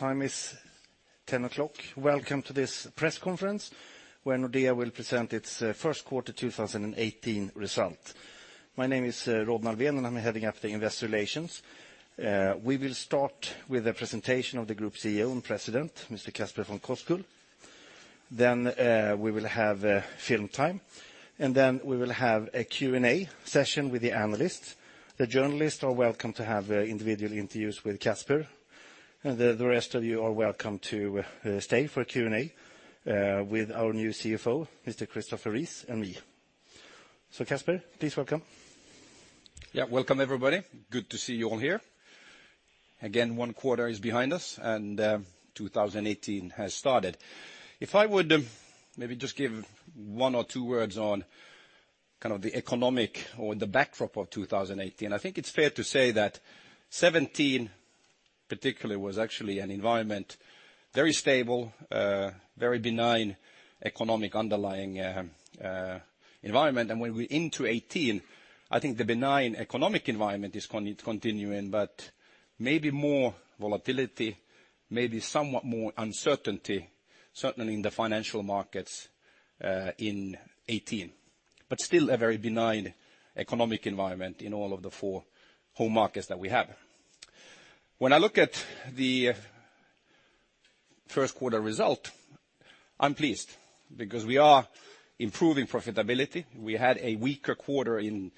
Time is 10:00 A.M. Welcome to this press conference where Nordea will present its first quarter 2018 result. My name is Rodney Alfvén, and I am heading up the Investor Relations. We will start with a presentation of the Group CEO and President, Mr. Casper von Koskull. Then we will have film time, and then we will have a Q&A session with the analysts. The journalists are welcome to have individual interviews with Casper, and the rest of you are welcome to stay for Q&A with our new CFO, Mr. Christopher Rees, and me. Casper, please welcome. Welcome everybody. Good to see you all here. Again, one quarter is behind us, 2018 has started. If I would maybe just give one or two words on the economic or the backdrop of 2018, I think it is fair to say that 2017 particularly was actually an environment very stable, very benign economic underlying environment. When we are into 2018, I think the benign economic environment is continuing, maybe more volatility, maybe somewhat more uncertainty, certainly in the financial markets in 2018. Still a very benign economic environment in all of the four home markets that we have. When I look at the first quarter result, I am pleased because we are improving profitability. We had a weaker quarter in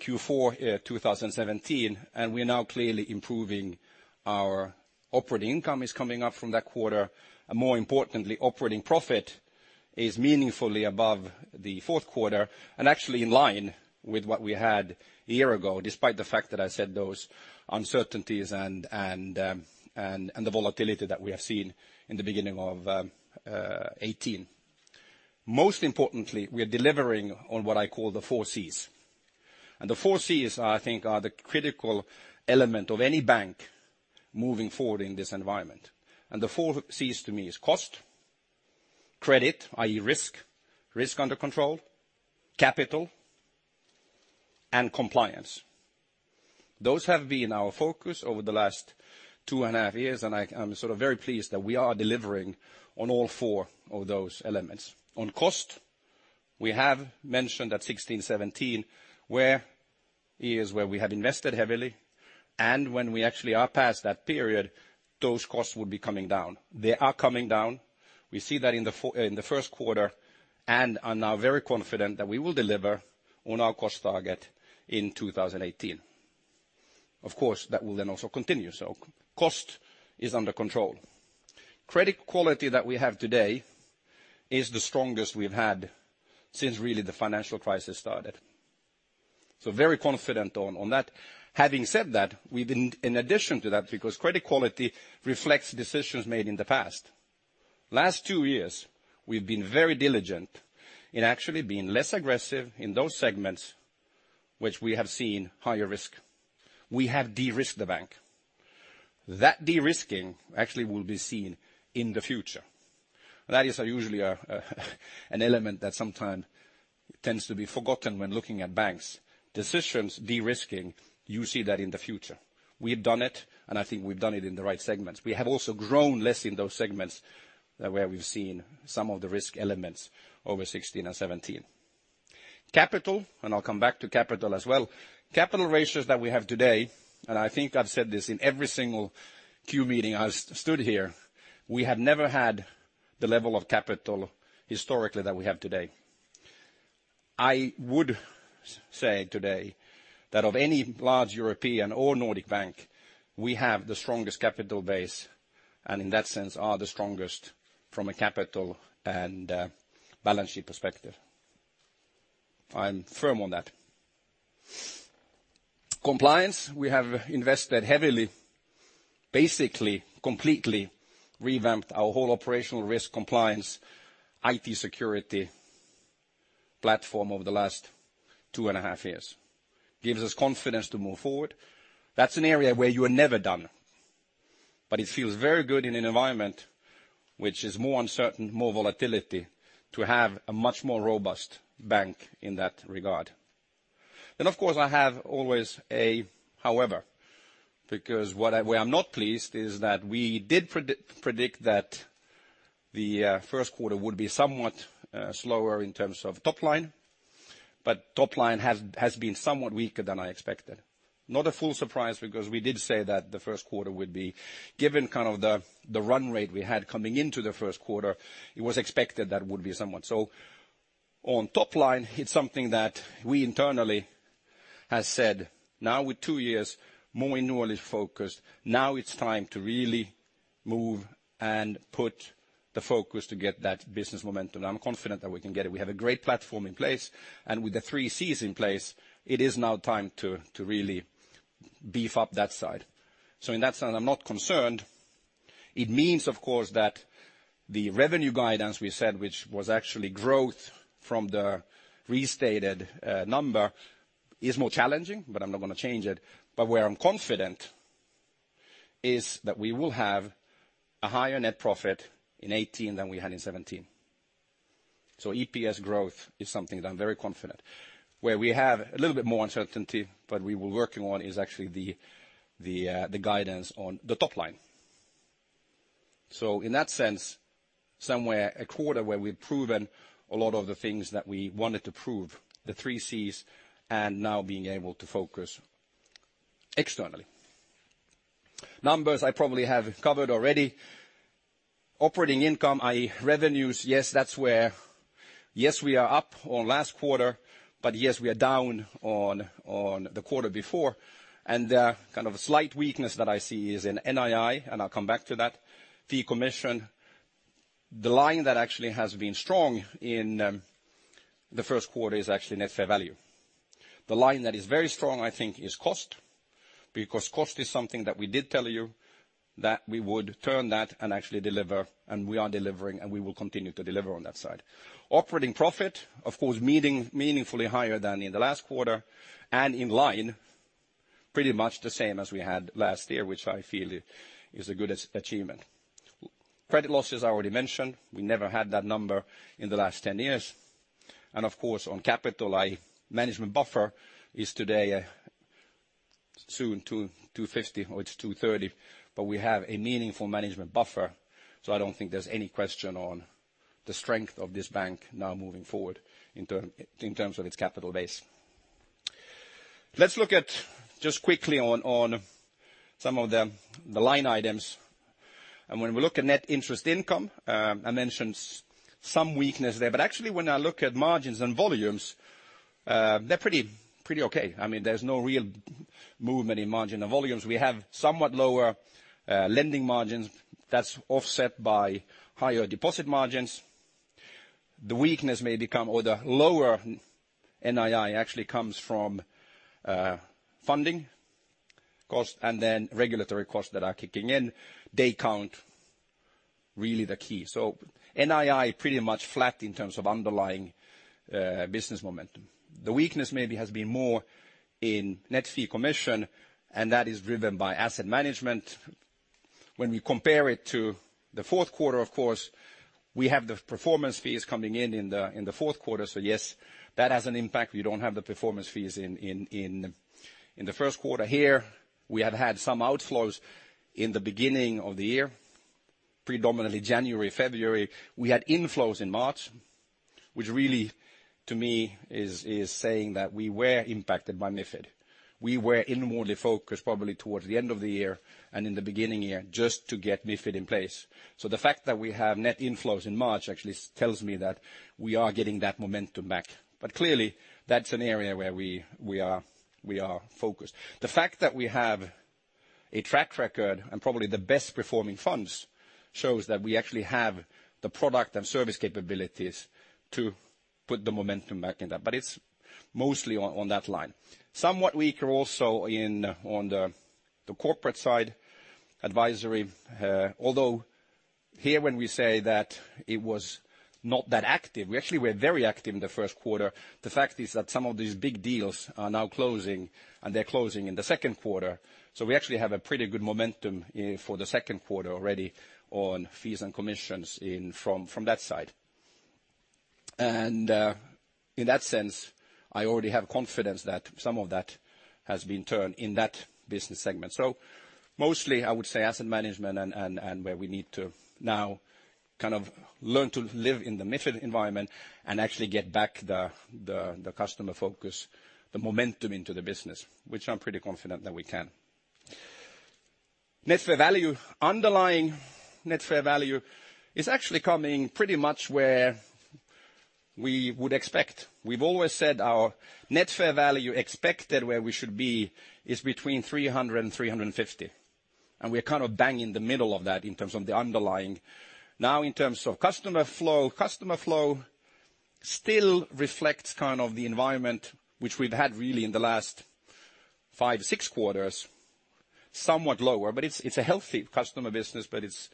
Q4 2017, we are now clearly improving. Our operating income is coming up from that quarter. More importantly, operating profit is meaningfully above the fourth quarter and actually in line with what we had a year ago, despite the fact that I said those uncertainties and the volatility that we have seen in the beginning of 2018. Most importantly, we are delivering on what I call the four Cs. The four Cs, I think, are the critical element of any bank moving forward in this environment. The four Cs to me is cost, credit, i.e. risk under control, capital, and compliance. Those have been our focus over the last two and a half years, I am very pleased that we are delivering on all four of those elements. On cost, we have mentioned that 2016, 2017 were years where we have invested heavily, when we actually are past that period, those costs would be coming down. They are coming down. We see that in the first quarter, we are now very confident that we will deliver on our cost target in 2018. Of course, that will then also continue, cost is under control. Credit quality that we have today is the strongest we have had since really the financial crisis started. Very confident on that. Having said that, we have been in addition to that, because credit quality reflects decisions made in the past. Last two years, we have been very diligent in actually being less aggressive in those segments which we have seen higher risk. We have de-risked the bank. That de-risking actually will be seen in the future. That is usually an element that sometimes tends to be forgotten when looking at banks' decisions, de-risking, you see that in the future. We have done it, I think we have done it in the right segments. We have also grown less in those segments where we have seen some of the risk elements over 2016 and 2017. Capital, and I will come back to capital as well. Capital ratios that we have today, and I think I have said this in every single Q meeting I stood here, we have never had the level of capital historically that we have today. I would say today that of any large European or Nordic bank, we have the strongest capital base, and in that sense, are the strongest from a capital and balance sheet perspective. I am firm on that. Compliance, we have invested heavily, basically completely revamped our whole operational risk compliance, IT security platform over the last 2 and a half years. Gives us confidence to move forward. That is an area where you are never done. It feels very good in an environment which is more uncertain, more volatility, to have a much more robust bank in that regard. Of course, I have always a however, because where I am not pleased is that we did predict that the first quarter would be somewhat slower in terms of top line, but top line has been somewhat weaker than I expected. Not a full surprise because we did say that the first quarter would be, given the run rate we had coming into the first quarter, it was expected that it would be somewhat so. On top line, it is something that we internally has said, now with 2 years more inwardly focused, now it is time to really move and put the focus to get that business momentum. I am confident that we can get it. We have a great platform in place, with the three Cs in place, it is now time to really beef up that side. In that sense, I am not concerned. It means, of course, that the revenue guidance we said, which was actually growth from the restated number, is more challenging, but I am not going to change it. Where I am confident is that we will have a higher net profit in 2018 than we had in 2017. EPS growth is something that I am very confident. Where we have a little bit more uncertainty, but we were working on, is actually the guidance on the top line. In that sense, somewhere a quarter where we have proven a lot of the things that we wanted to prove, the three Cs, and now being able to focus externally. Numbers I probably have covered already. Operating income, i.e., revenues, yes, that is where, yes, we are up on last quarter, but yes, we are down on the quarter before. The slight weakness that I see is in NII, and I will come back to that. Fee commission. The line that actually has been strong in the first quarter is actually net fair value. The line that is very strong, I think, is cost, because cost is something that we did tell you that we would turn that and actually deliver, and we are delivering, and we will continue to deliver on that side. Operating profit, of course, meaningfully higher than in the last quarter, and in line, pretty much the same as we had last year, which I feel is a good achievement. Credit losses, I already mentioned. We never had that number in the last 10 years. On capital, management buffer is today soon 250 or it's 230, but we have a meaningful management buffer, I don't think there's any question on the strength of this bank now moving forward in terms of its capital base. Let's look at, just quickly on some of the line items. When we look at net interest income, I mentioned some weakness there, but actually when I look at margins and volumes, they're pretty okay. There's no real movement in margin and volumes. We have somewhat lower lending margins that's offset by higher deposit margins. The weakness may become or the lower NII actually comes from funding cost and then regulatory costs that are kicking in. They count really the key. NII pretty much flat in terms of underlying business momentum. The weakness maybe has been more in net fee commission, and that is driven by asset management. When we compare it to the fourth quarter, of course, we have the performance fees coming in in the fourth quarter. Yes, that has an impact. We don't have the performance fees in the first quarter here. We have had some outflows in the beginning of the year, predominantly January, February. We had inflows in March, which really to me is saying that we were impacted by MiFID. We were inwardly focused probably towards the end of the year and in the beginning here just to get MiFID in place. The fact that we have net inflows in March actually tells me that we are getting that momentum back. Clearly, that's an area where we are focused. The fact that we have a track record and probably the best performing funds shows that we actually have the product and service capabilities to put the momentum back in that. It's mostly on that line. Somewhat weaker also on the corporate side, advisory. Although here when we say that it was not that active, we actually were very active in the first quarter. The fact is that some of these big deals are now closing, and they're closing in the second quarter. We actually have a pretty good momentum for the second quarter already on fees and commissions from that side. In that sense, I already have confidence that some of that has been turned in that business segment. Mostly, I would say asset management and where we need to now learn to live in the MiFID environment and actually get back the customer focus, the momentum into the business, which I'm pretty confident that we can. Net fair value. Underlying net fair value is actually coming pretty much where we would expect. We've always said our net fair value expected where we should be is between 300 and 350. We're bang in the middle of that in terms of the underlying. Now in terms of customer flow, customer flow still reflects the environment which we've had really in the last five, six quarters, somewhat lower, but it's a healthy customer business, but it's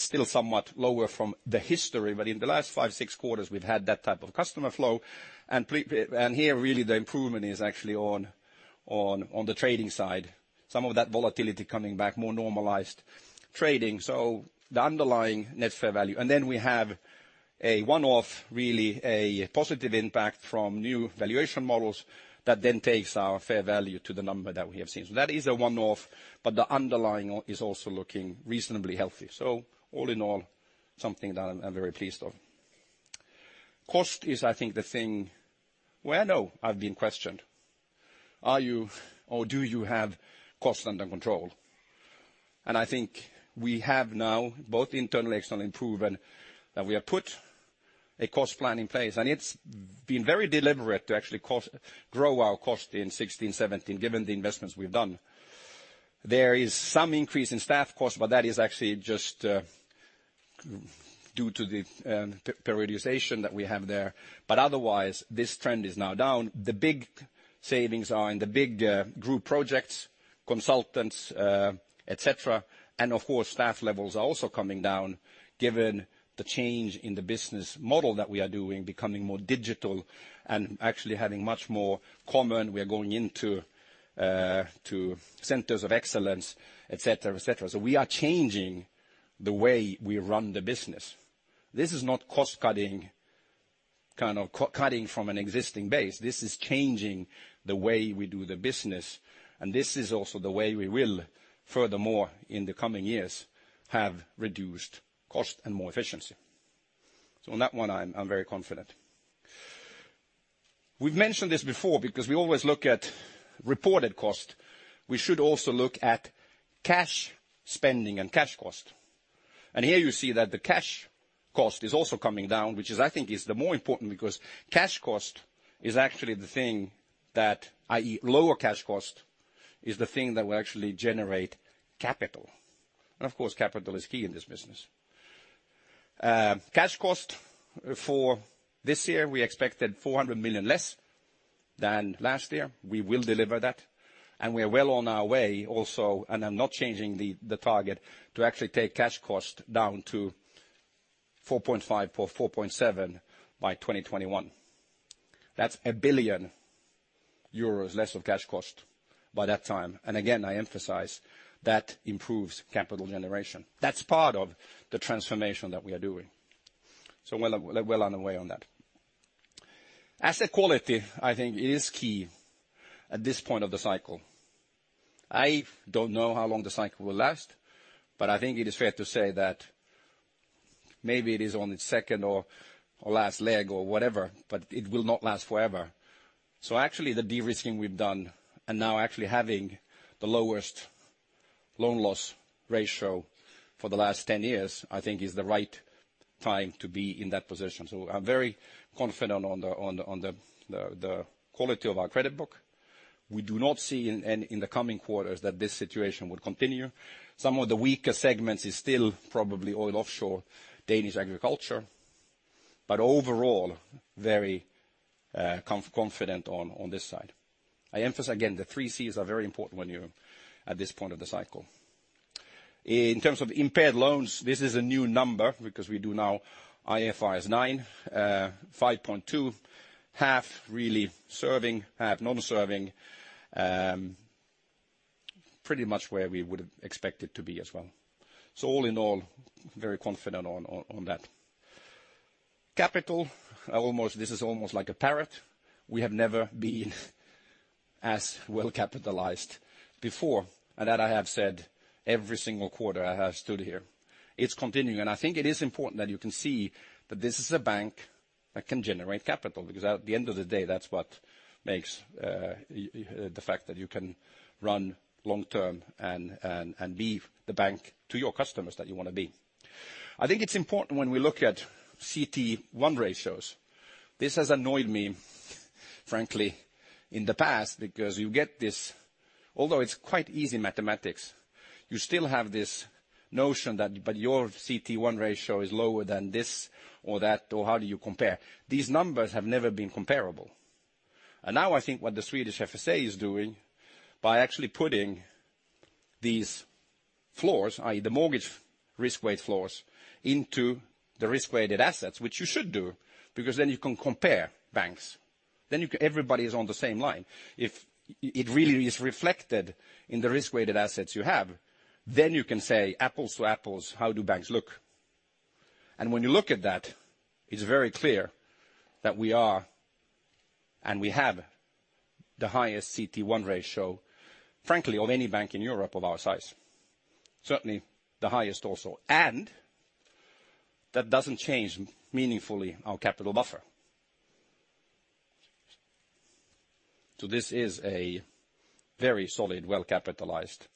still somewhat lower from the history. In the last five, six quarters, we've had that type of customer flow. Here, really the improvement is actually on the trading side. Some of that volatility coming back, more normalized trading. The underlying net fair value. Then we have a one-off, really a positive impact from new valuation models that then takes our fair value to the number that we have seen. That is a one-off, but the underlying is also looking reasonably healthy. All in all, something that I'm very pleased of. Cost is, I think, the thing where I know I've been questioned. Are you or do you have cost under control? I think we have now, both internal and external, proven that we have put a cost plan in place, and it's been very deliberate to actually grow our cost in 2016, 2017, given the investments we've done. There is some increase in staff cost, but that is actually just due to the periodization that we have there. Otherwise, this trend is now down. The big savings are in the big group projects, consultants, et cetera. Of course, staff levels are also coming down given the change in the business model that we are doing, becoming more digital and actually having much more common. We are going into centers of excellence, et cetera. We are changing the way we run the business. This is not cost cutting. Kind of cutting from an existing base. This is changing the way we do the business, and this is also the way we will, furthermore, in the coming years, have reduced cost and more efficiency. On that one, I'm very confident. We've mentioned this before because we always look at reported cost. We should also look at cash spending and cash cost. Here you see that the cash cost is also coming down, which is I think is the more important because cash cost is actually the thing that, i.e., lower cash cost, is the thing that will actually generate capital. Of course, capital is key in this business. Cash cost for this year, we expected 400 million less than last year. We will deliver that, and we are well on our way also, and I'm not changing the target to actually take cash cost down to 4.5 billion or 4.7 billion by 2021. That's 1 billion euros less of cash cost by that time. Again, I emphasize that improves capital generation. That's part of the transformation that we are doing. Well on the way on that. Asset quality, I think is key at this point of the cycle. I don't know how long the cycle will last, I think it is fair to say that maybe it is on its second or last leg or whatever, it will not last forever. Actually, the de-risking we've done and now actually having the lowest loan loss ratio for the last 10 years, I think is the right time to be in that position. I'm very confident on the quality of our credit book. We do not see in the coming quarters that this situation would continue. Some of the weaker segments is still probably oil offshore, Danish agriculture, but overall, very confident on this side. I emphasize again, the three Cs are very important when you're at this point of the cycle. In terms of impaired loans, this is a new number because we do now IFRS 9, 5.2, half really serving, half non-serving. Pretty much where we would expect it to be as well. All in all, very confident on that. Capital. This is almost like a parrot. We have never been as well capitalized before. That I have said every single quarter I have stood here. It is continuing, and it is important that you can see that this is a bank that can generate capital, because at the end of the day, that's what makes the fact that you can run long-term and be the bank to your customers that you want to be. It is important when we look at CT1 ratios. This has annoyed me, frankly, in the past because you get this Although it is quite easy mathematics, you still have this notion that your CT1 ratio is lower than this or that, or how do you compare? These numbers have never been comparable. Now I think what the Swedish FSA is doing by actually putting these floors, i.e., the mortgage risk weight floors, into the risk-weighted assets, which you should do, because you can compare banks. Everybody is on the same line. If it really is reflected in the risk-weighted assets you have, you can say apples to apples, how do banks look? When you look at that, it is very clear that we are, and we have the highest CT1 ratio, frankly, of any bank in Europe of our size. Certainly, the highest also. That doesn't change meaningfully our capital buffer. This is a very solid, well-capitalized,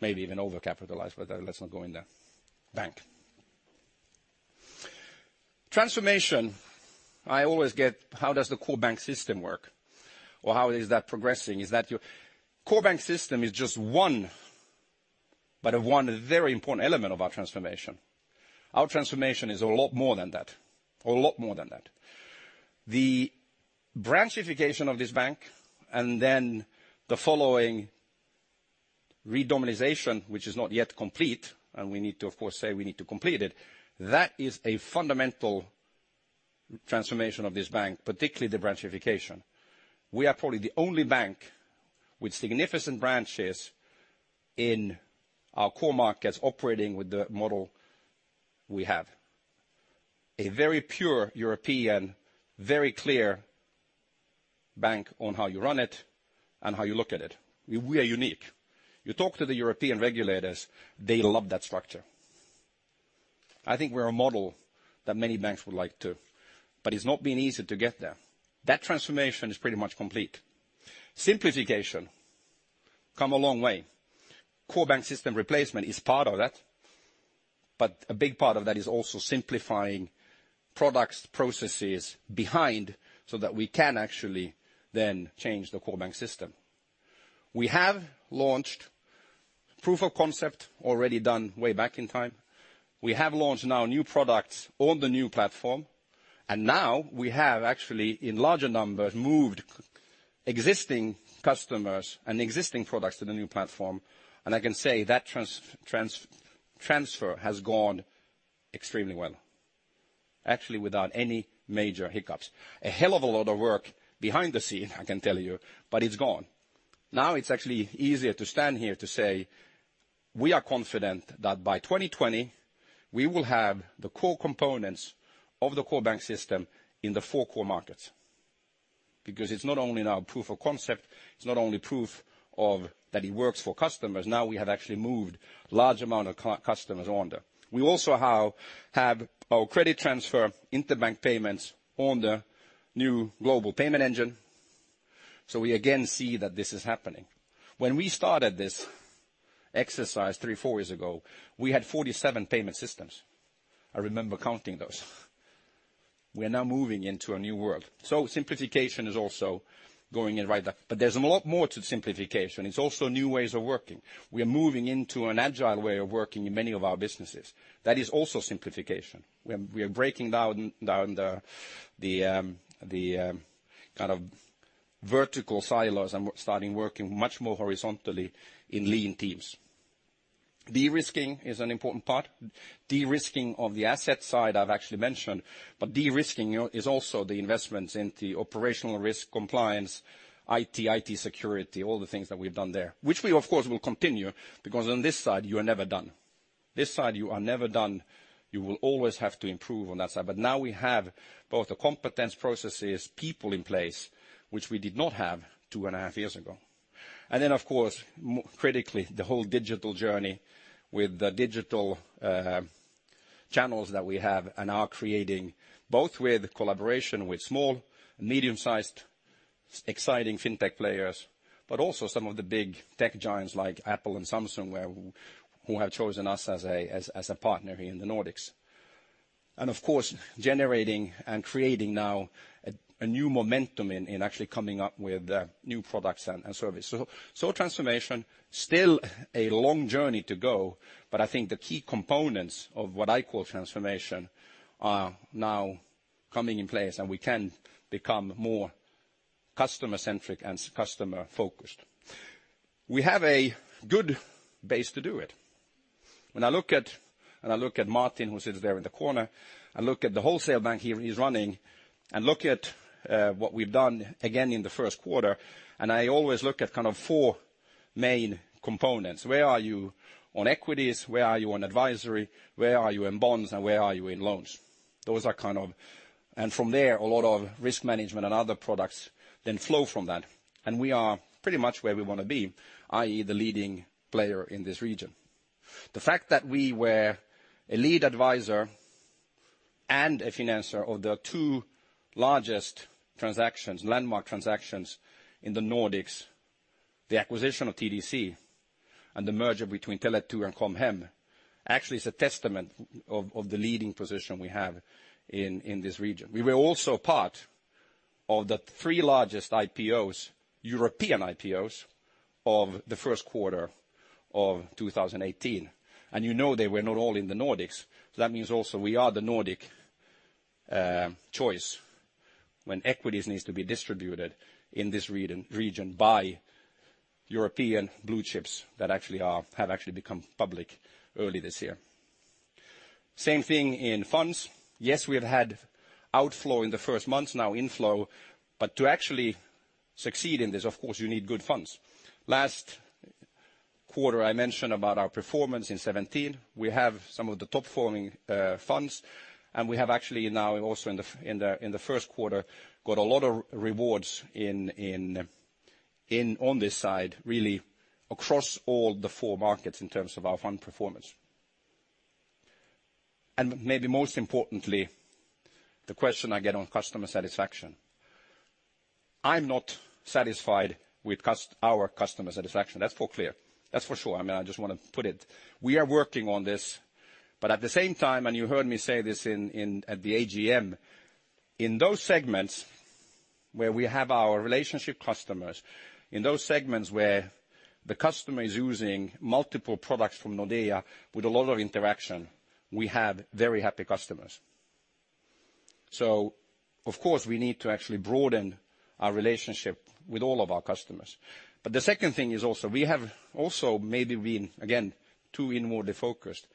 maybe even over-capitalized, but let's not go in there, bank. Transformation. I always get, how does the core bank system work? Or how is that progressing? Is that your Core bank system is just one, but one very important element of our transformation. Our transformation is a lot more than that. A lot more than that. The branchification of this bank and then the following re-domiciliation, which is not yet complete, and we need to, of course, say we need to complete it, that is a fundamental transformation of this bank, particularly the branchification. We are probably the only bank with significant branches in our core markets operating with the model we have. A very pure European, very clear bank on how you run it and how you look at it. We are unique. You talk to the European regulators, they love that structure. We're a model that many banks would like to, but it's not been easy to get there. That transformation is pretty much complete. Simplification. Come a long way. Core bank system replacement is part of that, but a big part of that is also simplifying products, processes behind so that we can actually then change the core bank system. We have launched proof of concept already done way back in time. We have launched now new products on the new platform, and now we have actually, in larger numbers, moved existing customers and existing products to the new platform, and I can say that transfer has gone extremely well. Actually, without any major hiccups. A hell of a lot of work behind the scene, I can tell you, but it's gone. Now it's actually easier to stand here to say we are confident that by 2020 we will have the core components of the core bank system in the four core markets. It's not only now proof of concept, it's not only proof that it works for customers, now we have actually moved large amount of customers on there. We also have our credit transfer interbank payments on the new global payment engine. We again see that this is happening. When we started this exercise three, four years ago, we had 47 payment systems. I remember counting those. We are now moving into a new world. Simplification is also going in right there. There's a lot more to simplification. It's also new ways of working. We are moving into an agile way of working in many of our businesses. That is also simplification. We are breaking down the vertical silos and starting working much more horizontally in lean teams. De-risking is an important part. De-risking of the asset side, I've actually mentioned, but de-risking is also the investments into operational risk compliance, IT security, all the things that we've done there. Which we, of course, will continue because on this side you are never done. This side you are never done. You will always have to improve on that side. Now we have both the competence processes, people in place, which we did not have two and a half years ago. Then of course, critically, the whole digital journey with the digital channels that we have and are creating, both with collaboration with small and medium-sized exciting fintech players, but also some of the big tech giants like Apple and Samsung who have chosen us as a partner here in the Nordics. Of course, generating and creating now a new momentum in actually coming up with new products and service. Transformation, still a long journey to go, but I think the key components of what I call transformation are now coming in place and we can become more customer centric and customer focused. We have a good base to do it. When I look at Martin, who sits there in the corner, I look at the wholesale bank he's running and look at what we've done, again, in the first quarter, and I always look at four main components. Where are you on equities? Where are you on advisory? Where are you in bonds? Where are you in loans? From there, a lot of risk management and other products then flow from that. We are pretty much where we want to be, i.e., the leading player in this region. The fact that we were a lead advisor and a financer of the two largest transactions, landmark transactions, in the Nordics, the acquisition of TDC and the merger between Tele2 and Com Hem, actually is a testament of the leading position we have in this region. We were also part of the three largest IPOs, European IPOs, of the first quarter of 2018. You know they were not all in the Nordics. That means also we are the Nordic choice when equities needs to be distributed in this region by European blue chips that have actually become public early this year. Same thing in funds. Yes, we have had outflow in the first months, now inflow. To actually succeed in this, of course, you need good funds. Last quarter, I mentioned about our performance in 2017. We have some of the top-performing funds. We have actually now also in the first quarter got a lot of rewards on this side, really across all the 4 markets in terms of our fund performance. Maybe most importantly, the question I get on customer satisfaction. I'm not satisfied with our customer satisfaction. That's for clear. That's for sure. I just want to put it. We are working on this, but at the same time, you heard me say this at the AGM, in those segments where we have our relationship customers, in those segments where the customer is using multiple products from Nordea with a lot of interaction, we have very happy customers. Of course, we need to actually broaden our relationship with all of our customers. The second thing is also we have also maybe been, again, too inwardly focused.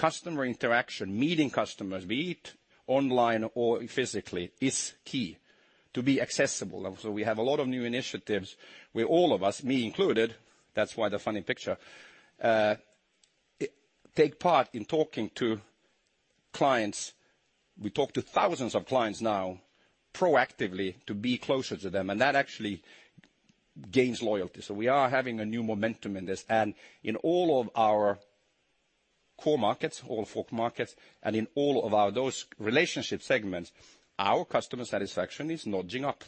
Customer interaction, meeting customers, be it online or physically, is key to be accessible. We have a lot of new initiatives where all of us, me included, that's why the funny picture, take part in talking to clients. We talk to thousands of clients now proactively to be closer to them, and that actually gains loyalty. We are having a new momentum in this, and in all of our core markets, all 4 markets, and in all of those relationship segments, our customer satisfaction is nudging up.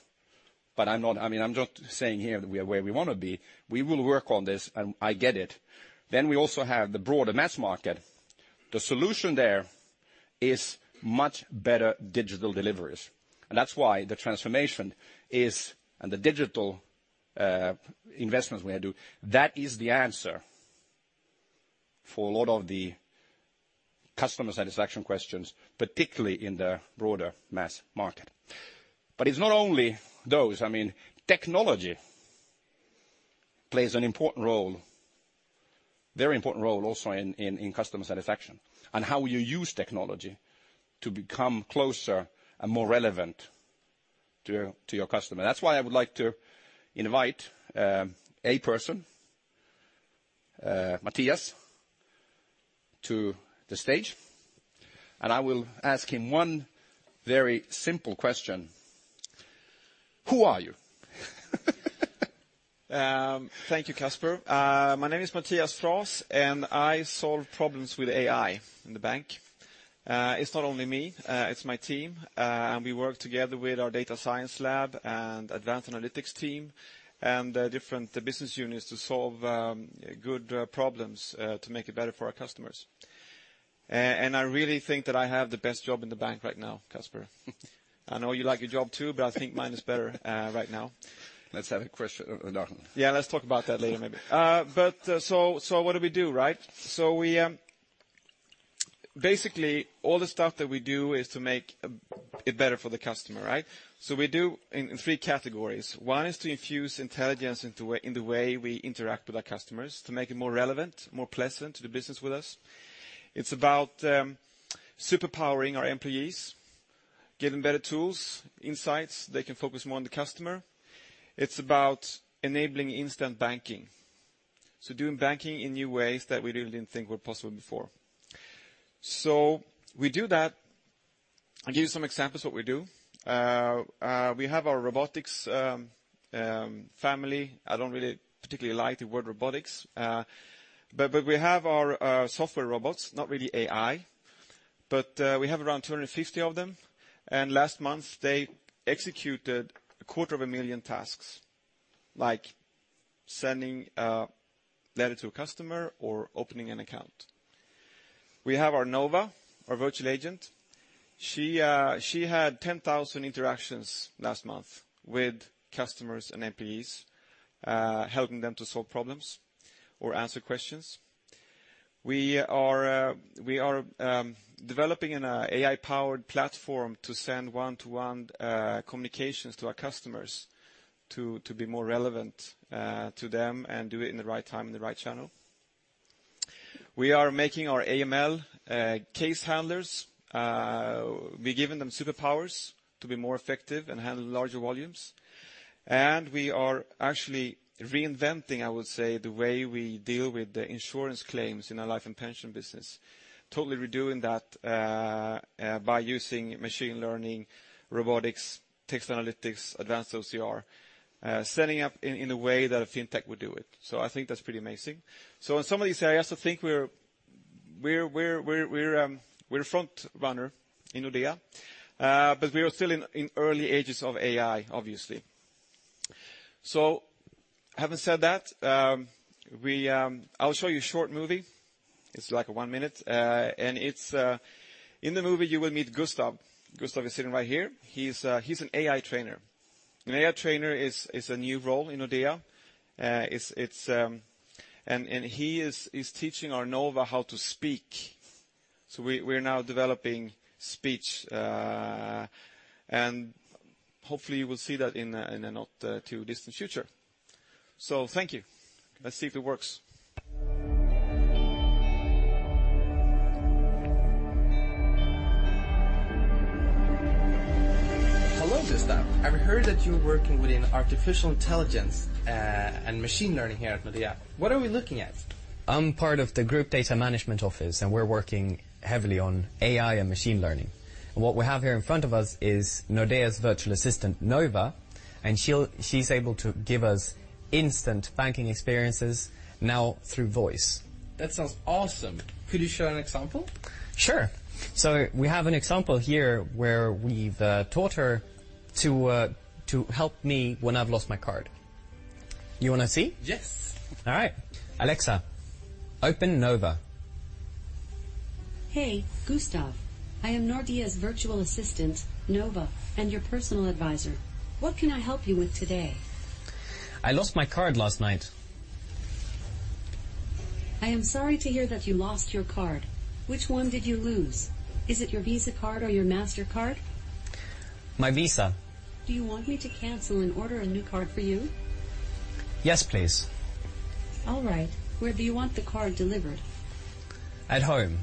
I'm not saying here that we are where we want to be. We will work on this and I get it. We also have the broader mass market. The solution there is much better digital deliveries. That's why the transformation is, and the digital investments we are doing, that is the answer for a lot of the customer satisfaction questions, particularly in the broader mass market. It's not only those. Technology plays an important role Very important role also in customer satisfaction and how you use technology to become closer and more relevant to your customer. That's why I would like to invite a person, Mattias, to the stage, and I will ask him 1 very simple question. Who are you? Thank you, Casper. My name is Mattias Fras, and I solve problems with AI in the bank. It's not only me, it's my team, and we work together with our data science lab and advanced analytics team and the different business units to solve good problems to make it better for our customers. I really think that I have the best job in the bank right now, Casper. I know you like your job too, but I think mine is better right now. Let's have a question. Yeah, let's talk about that later maybe. What do we do? Basically, all the stuff that we do is to make it better for the customer. We do in three categories. One is to infuse intelligence in the way we interact with our customers, to make it more relevant, more pleasant to do business with us. It's about super powering our employees, giving better tools, insights. They can focus more on the customer. It's about enabling instant banking, doing banking in new ways that we really didn't think were possible before. We do that. I'll give you some examples what we do. We have our robotics family. I don't really particularly like the word robotics. We have our software robots, not really AI. We have around 250 of them, and last month they executed a quarter of a million tasks, like sending a letter to a customer or opening an account. We have our Nova, our virtual agent. She had 10,000 interactions last month with customers and MPs, helping them to solve problems or answer questions. We are developing an AI-powered platform to send one-to-one communications to our customers to be more relevant to them and do it in the right time and the right channel. We are making our AML case handlers. We're giving them superpowers to be more effective and handle larger volumes. We are actually reinventing, I would say, the way we deal with the insurance claims in our life and pension business, totally redoing that by using machine learning, robotics, text analytics, advanced OCR, setting up in a way that a fintech would do it. I think that's pretty amazing. On some of these areas, I think we're a front runner in Nordea. We are still in early ages of AI, obviously. Having said that, I'll show you a short movie. It's one minute. In the movie you will meet Gustav. Gustav is sitting right here. He's an AI trainer. An AI trainer is a new role in Nordea. He is teaching our Nova how to speak. We're now developing speech. Hopefully you will see that in a not too distant future. Thank you. Let's see if it works. Hello, Gustav. I've heard that you're working within artificial intelligence and machine learning here at Nordea. What are we looking at? I'm part of the group data management office, we're working heavily on AI and machine learning. What we have here in front of us is Nordea's virtual assistant, Nova, she's able to give us instant banking experiences now through voice. That sounds awesome. Could you show an example? Sure. We have an example here where we've taught her to help me when I've lost my card. You want to see? Yes. All right. Alexa, open Nova. Hey, Gustav. I am Nordea's virtual assistant, Nova, and your personal advisor. What can I help you with today? I lost my card last night. I am sorry to hear that you lost your card. Which one did you lose? Is it your Visa card or your Mastercard? My Visa. Do you want me to cancel and order a new card for you? Yes, please. All right. Where do you want the card delivered? At home.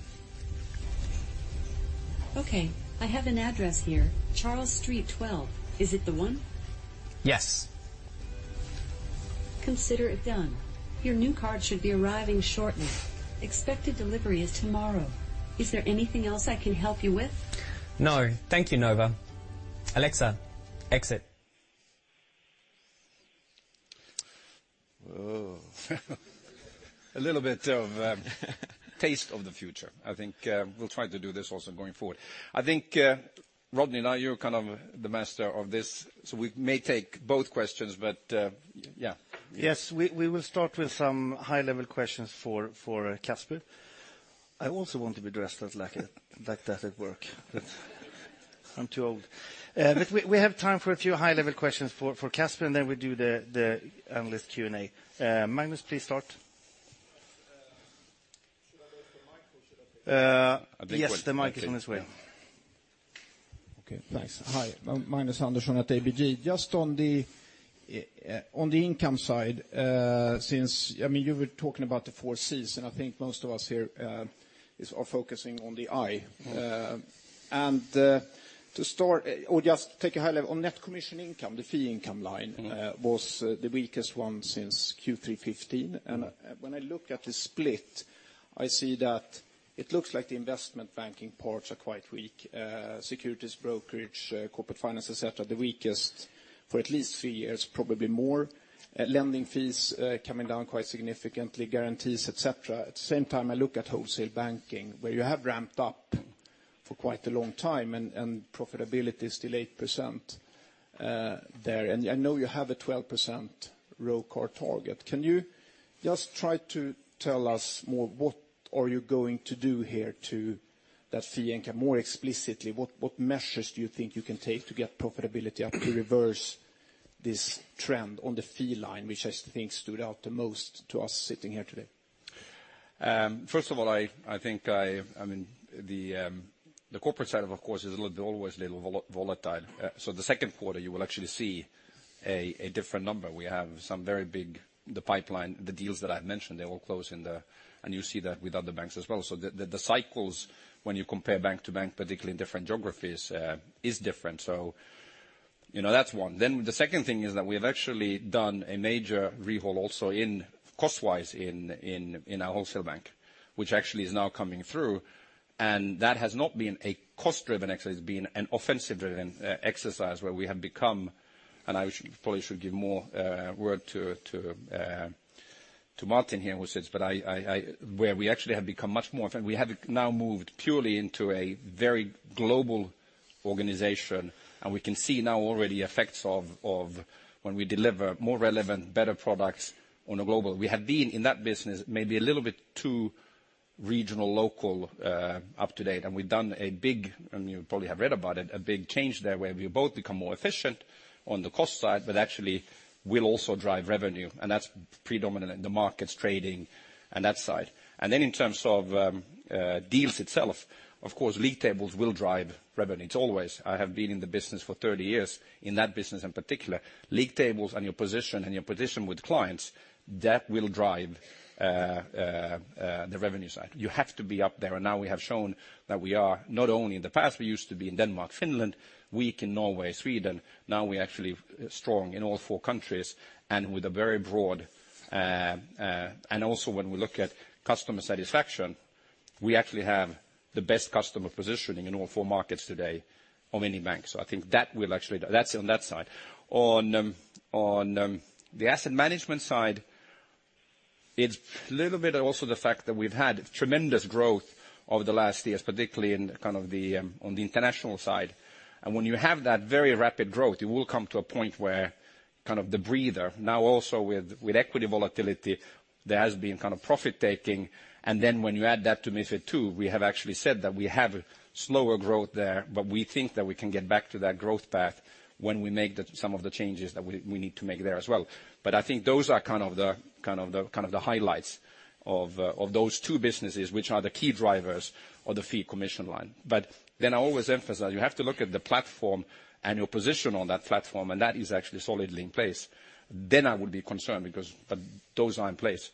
Okay. I have an address here. Charles Street 12. Is it the one? Yes. Consider it done. Your new card should be arriving shortly. Expected delivery is tomorrow. Is there anything else I can help you with? No. Thank you, Nova. Alexa, exit. Oh. A little bit of a taste of the future, I think. We'll try to do this also going forward. I think, Rodney, now you're the master of this. We may take both questions, but yeah. Yes. We will start with some high-level questions for Casper. I also want to be dressed like that at work, but I am too old. We have time for a few high-level questions for Casper, and then we will do the analyst Q&A. Magnus, please start. Should I wait for the mic or should I take it? Yes, the mic is on its way. Okay, thanks. Hi. Magnus Andersson at ABG. Just on the income side, since you were talking about the four C's, and I think most of us here are focusing on the I. To start, or just take a high level on net commission income, the fee income line was the weakest one since Q3 2015. When I look at the split, I see that it looks like the investment banking parts are quite weak. Securities brokerage, corporate finance, et cetera, the weakest for at least three years, probably more. Lending fees are coming down quite significantly, guarantees, et cetera. At the same time, I look at wholesale banking, where you have ramped up for quite a long time, and profitability is still 8% there. I know you have a 12% ROIC target. Can you just try to tell us more, what are you going to do here to that fee income more explicitly? What measures do you think you can take to get profitability up to reverse this trend on the fee line, which I think stood out the most to us sitting here today? First of all, I think the corporate side, of course, is always a little volatile. The second quarter, you will actually see a different number. We have some very big pipeline. The deals that I've mentioned, they all close in there, and you see that with other banks as well. The cycles, when you compare bank to bank, particularly in different geographies is different. That's one. The second thing is that we've actually done a major rehaul also cost-wise in our wholesale bank, which actually is now coming through. That has not been a cost-driven exercise, it's been an offensive-driven exercise. I probably should give more word to Martin here, who sits, but where we actually have become much more. We have now moved purely into a very global organization, and we can see now already effects of when we deliver more relevant, better products on a global. We have been in that business maybe a little bit too regional, local up to date, and we've done a big change there where we both become more efficient on the cost side, but actually will also drive revenue, and that's predominant in the markets trading and that side. In terms of deals itself, of course, league tables will drive revenue, it's always. I have been in the business for 30 years, in that business in particular. League tables and your position with clients, that will drive the revenue side. You have to be up there, and now we have shown that we are not only in the past, we used to be in Denmark, Finland, weak in Norway, Sweden. Now we're actually strong in all four countries and with a very broad. Also when we look at customer satisfaction, we actually have the best customer positioning in all four markets today of any bank. I think that's on that side. On the asset management side, it's a little bit also the fact that we've had tremendous growth over the last years, particularly on the international side. When you have that very rapid growth, you will come to a point where the breather. Now also with equity volatility, there has been profit-taking. When you add that to MiFID II, we have actually said that we have slower growth there, we think that we can get back to that growth path when we make some of the changes that we need to make there as well. I think those are the highlights of those two businesses, which are the key drivers of the fee commission line. I always emphasize, you have to look at the platform and your position on that platform, and that is actually solidly in place. Then I would be concerned because those are in place.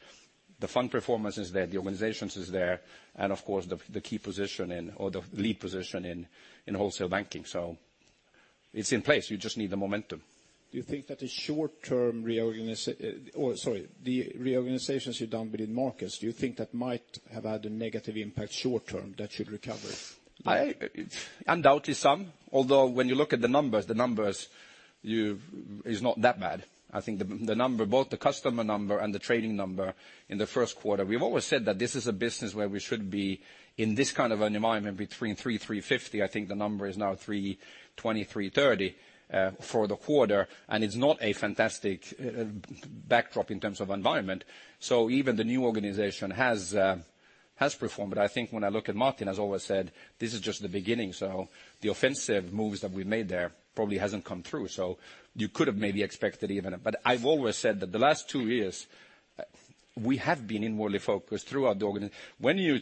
The fund performance is there, the organization is there, and of course, the key position or the lead position in wholesale banking. It's in place. You just need the momentum. Do you think that the short-term reorganizations you've done within markets, do you think that might have had a negative impact short term that should recover? Undoubtedly some, although when you look at the numbers, the numbers are not that bad. I think both the customer number and the trading number in the first quarter, we've always said that this is a business where we should be in this kind of an environment between 300, 350. I think the number is now 320, 330 for the quarter, and it's not a fantastic backdrop in terms of environment. Even the new organization has performed. I think when I look at Martin, as always said, this is just the beginning, the offensive moves that we made there probably hasn't come through. I've always said that the last two years, we have been inwardly focused throughout the organization. When you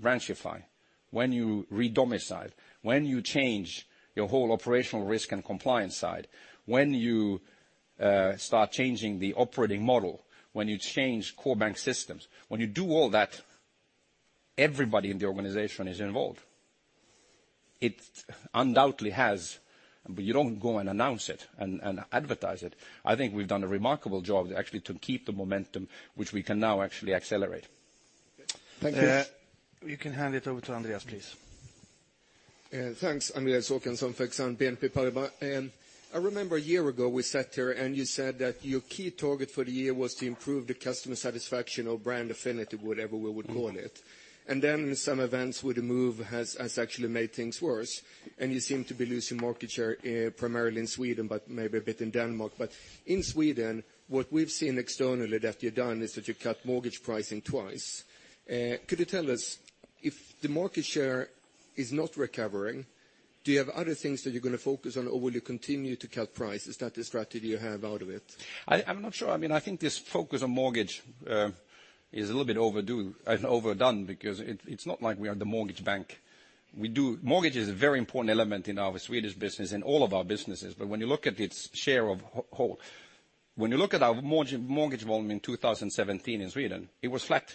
branchify, when you redomicile, when you change your whole operational risk and compliance side, when you start changing the operating model, when you change core bank systems, when you do all that, everybody in the organization is involved. It undoubtedly has, you don't go and announce it and advertise it. I think we've done a remarkable job, actually, to keep the momentum, which we can now actually accelerate. Thank you. You can hand it over to Andreas, please. Thanks. Andreas Håkansson for Exane BNP Paribas. I remember a year ago we sat here and you said that your key target for the year was to improve the customer satisfaction or brand affinity, whatever we would call it. Then some events with the move has actually made things worse, and you seem to be losing market share primarily in Sweden, but maybe a bit in Denmark. In Sweden, what we've seen externally that you've done is that you cut mortgage pricing twice. Could you tell us if the market share Is not recovering. Do you have other things that you're going to focus on or will you continue to cut prices? Is that the strategy you have out of it? I'm not sure. I think this focus on mortgage is a little bit overdone because it's not like we are the mortgage bank. Mortgage is a very important element in our Swedish business, in all of our businesses. When you look at its share of whole, when you look at our mortgage volume in 2017 in Sweden, it was flat.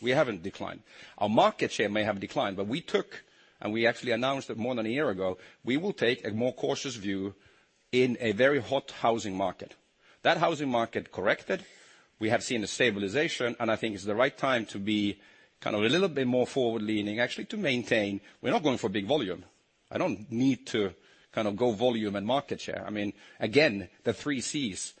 We haven't declined. Our market share may have declined, but we took, and we actually announced it more than a year ago, we will take a more cautious view in a very hot housing market. That housing market corrected. We have seen a stabilization, and I think it's the right time to be a little bit more forward-leaning actually to maintain. We're not going for big volume. I don't need to go volume and market share. Again, the three Cs.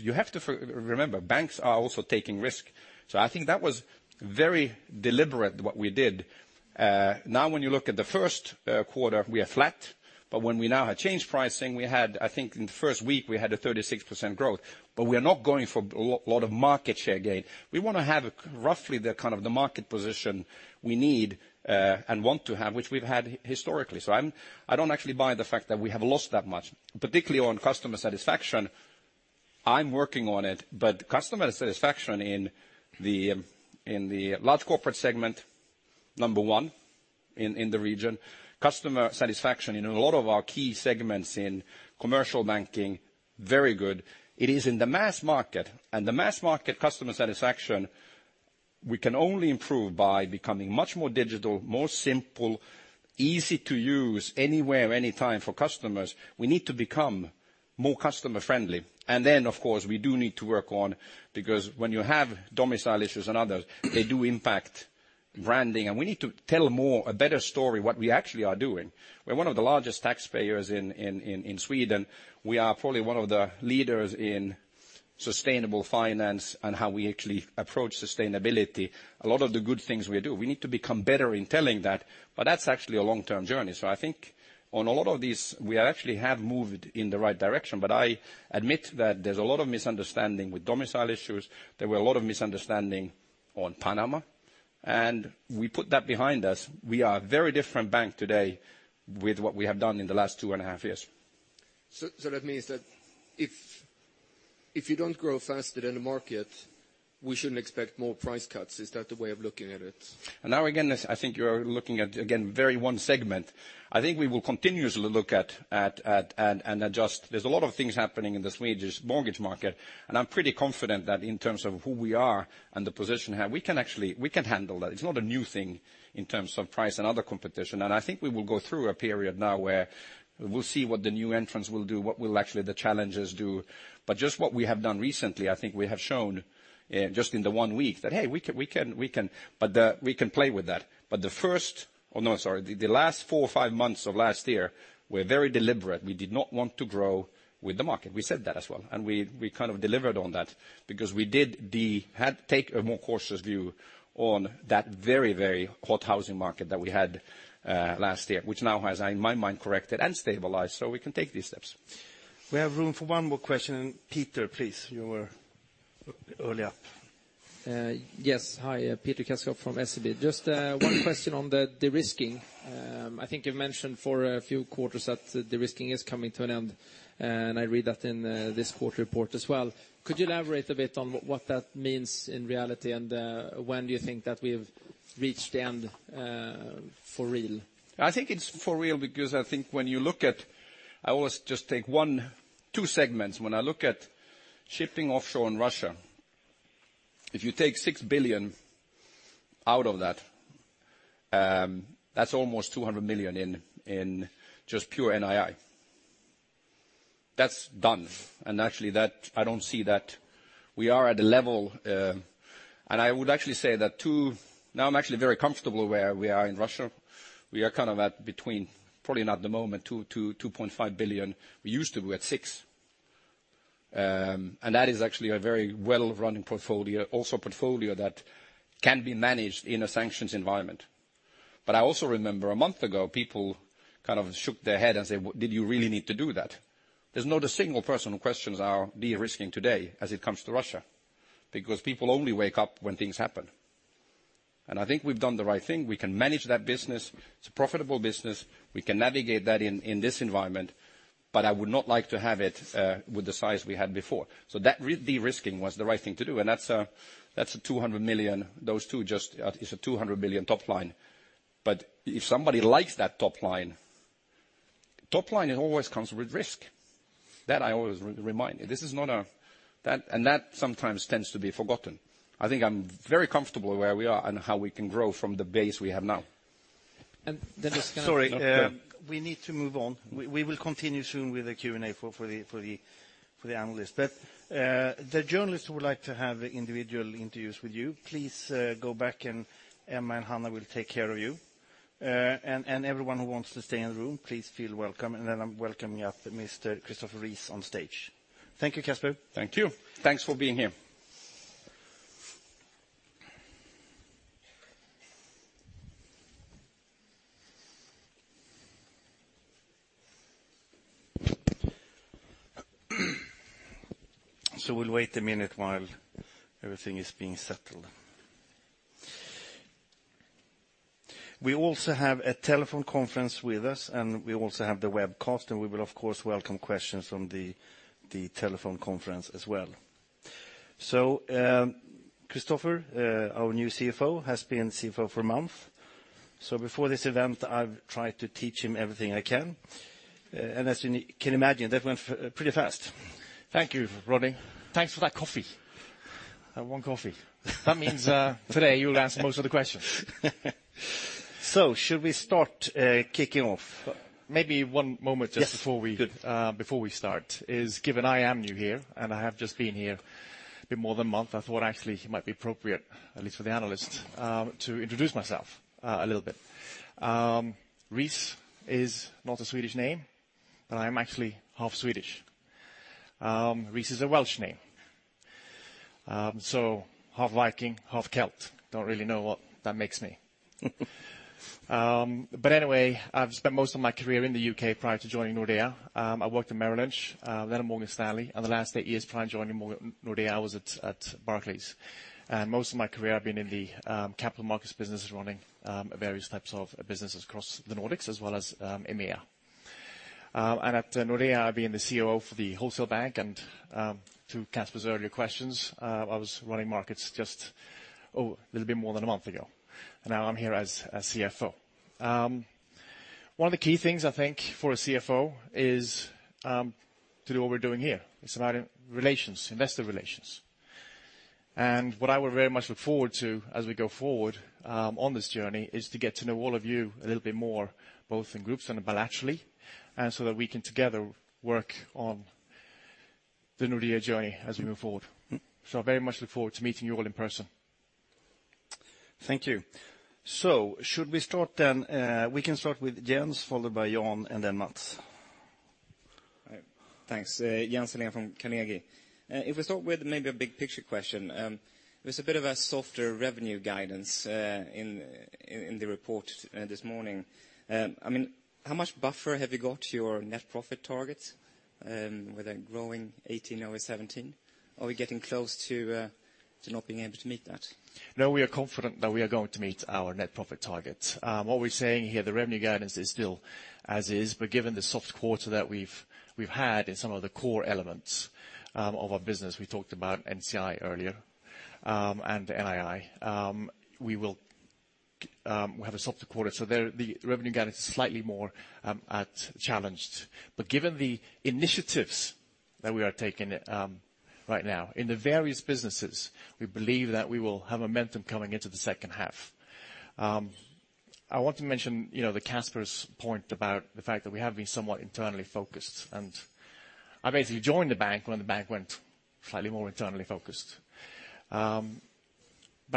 You have to remember, banks are also taking risk. I think that was very deliberate what we did. Now when you look at the first quarter, we are flat. When we now have changed pricing, I think in the first week we had a 36% growth, but we are not going for a lot of market share gain. We want to have roughly the market position we need and want to have, which we've had historically. I don't actually buy the fact that we have lost that much, particularly on customer satisfaction. I'm working on it. Customer satisfaction in the large corporate segment, number 1 in the region. Customer satisfaction in a lot of our key segments in commercial banking, very good. It is in the mass market, and the mass market customer satisfaction, we can only improve by becoming much more digital, more simple, easy to use anywhere, anytime for customers. We need to become more customer friendly. Of course, we do need to work on, because when you have domicile issues and others, they do impact branding, and we need to tell a better story what we actually are doing. We're one of the largest taxpayers in Sweden. We are probably one of the leaders in sustainable finance and how we actually approach sustainability. A lot of the good things we do, we need to become better in telling that. That's actually a long-term journey. I think on a lot of these, we actually have moved in the right direction, but I admit that there's a lot of misunderstanding with domicile issues. There were a lot of misunderstanding on Panama, and we put that behind us. We are a very different bank today with what we have done in the last two and a half years. That means that if you don't grow faster than the market, we shouldn't expect more price cuts. Is that the way of looking at it? Again, I think you're looking at very one segment. I think we will continuously look at and adjust. There's a lot of things happening in the Swedish mortgage market, and I'm pretty confident that in terms of who we are and the position we have, we can handle that. It's not a new thing in terms of price and other competition. I think we will go through a period now where we'll see what the new entrants will do, what will actually the challengers do. Just what we have done recently, I think we have shown just in the one week that, hey, we can play with that. The last four or five months of last year were very deliberate. We did not want to grow with the market. We said that as well, we delivered on that because we had take a more cautious view on that very hot housing market that we had last year. Which now has, in my mind, corrected and stabilized, we can take these steps. We have room for one more question. Peter, please, you were early up. Yes. Hi, Peter Kjaergaard from SEB. Just one question on the de-risking. I think you've mentioned for a few quarters that de-risking is coming to an end, I read that in this quarter report as well. Could you elaborate a bit on what that means in reality, when do you think that we've reached the end for real? I think it's for real because I think when you look at, I always just take two segments. When I look at shipping offshore in Russia, if you take $6 billion out of that's almost 200 million in just pure NII. That's done, actually, I don't see that we are at a level. I would actually say that now I'm actually very comfortable where we are in Russia. We are at between probably not at the moment $2 billion-$2.5 billion. We used to be at $6 billion. That is actually a very well-running portfolio, also a portfolio that can be managed in a sanctions environment. I also remember a month ago, people shook their head and said, "Did you really need to do that?" There's not a single person who questions our de-risking today as it comes to Russia, because people only wake up when things happen. I think we've done the right thing. We can manage that business. It's a profitable business. We can navigate that in this environment, but I would not like to have it with the size we had before. That de-risking was the right thing to do, and that's a 200 million. Those two just is a 200 million top line. If somebody likes that top line, it always comes with risk. That I always remind. That sometimes tends to be forgotten. I think I'm very comfortable where we are and how we can grow from the base we have now. And then- Sorry. We need to move on. We will continue soon with the Q&A for the analysts. The journalists who would like to have individual interviews with you, please go back and Emma and Hannah will take care of you. Everyone who wants to stay in the room, please feel welcome. I'm welcoming up Mr. Christopher Rees on stage. Thank you, Casper. Thank you. Thanks for being here. We'll wait a minute while everything is being settled. We also have a telephone conference with us, and we also have the webcast, and we will, of course, welcome questions from the telephone conference as well. Christopher, our new CFO, has been CFO for a month. Before this event, I've tried to teach him everything I can, and as you can imagine, that went pretty fast. Thank you, Rodney. Thanks for that coffee. That one coffee. That means today you'll answer most of the questions. should we start kicking off? Maybe one moment just before we. Yes. Good Before we start, is given I am new here, and I have just been here a bit more than a month, I thought actually it might be appropriate, at least for the analyst, to introduce myself a little bit. Rees is not a Swedish name, but I'm actually half Swedish. Rees is a Welsh name. Half Viking, half Celt. Don't really know what that makes me. Anyway, I've spent most of my career in the U.K. prior to joining Nordea. I worked at Merrill Lynch, then at Morgan Stanley, and the last eight years prior to joining Nordea, I was at Barclays. Most of my career, I've been in the capital markets business running various types of businesses across the Nordics as well as EMEA. At Nordea, I've been the COO for the wholesale bank, to Casper's earlier questions, I was running markets just a little bit more than a month ago. Now I'm here as CFO. One of the key things I think for a CFO is to do what we're doing here. It's about relations, investor relations. What I would very much look forward to as we go forward on this journey is to get to know all of you a little bit more, both in groups and bilaterally, that we can together work on the Nordea journey as we move forward. I very much look forward to meeting you all in person. Thank you. Should we start then? We can start with Jens, followed by Johan, and then Matti. Right. Thanks. Johan Ekblom from Carnegie. If we start with maybe a big picture question. It was a bit of a softer revenue guidance in the report this morning. How much buffer have you got your net profit target with a growing 2018 over 2017? Are we getting close to not being able to meet that? We are confident that we are going to meet our net profit target. What we're saying here, the revenue guidance is still as is, but given the soft quarter that we've had in some of the core elements of our business, we talked about NCI earlier, and NII. We have a softer quarter. There, the revenue guidance is slightly more challenged. Given the initiatives that we are taking right now in the various businesses, we believe that we will have momentum coming into the second half. I want to mention Casper's point about the fact that we have been somewhat internally focused, I basically joined the bank when the bank went slightly more internally focused.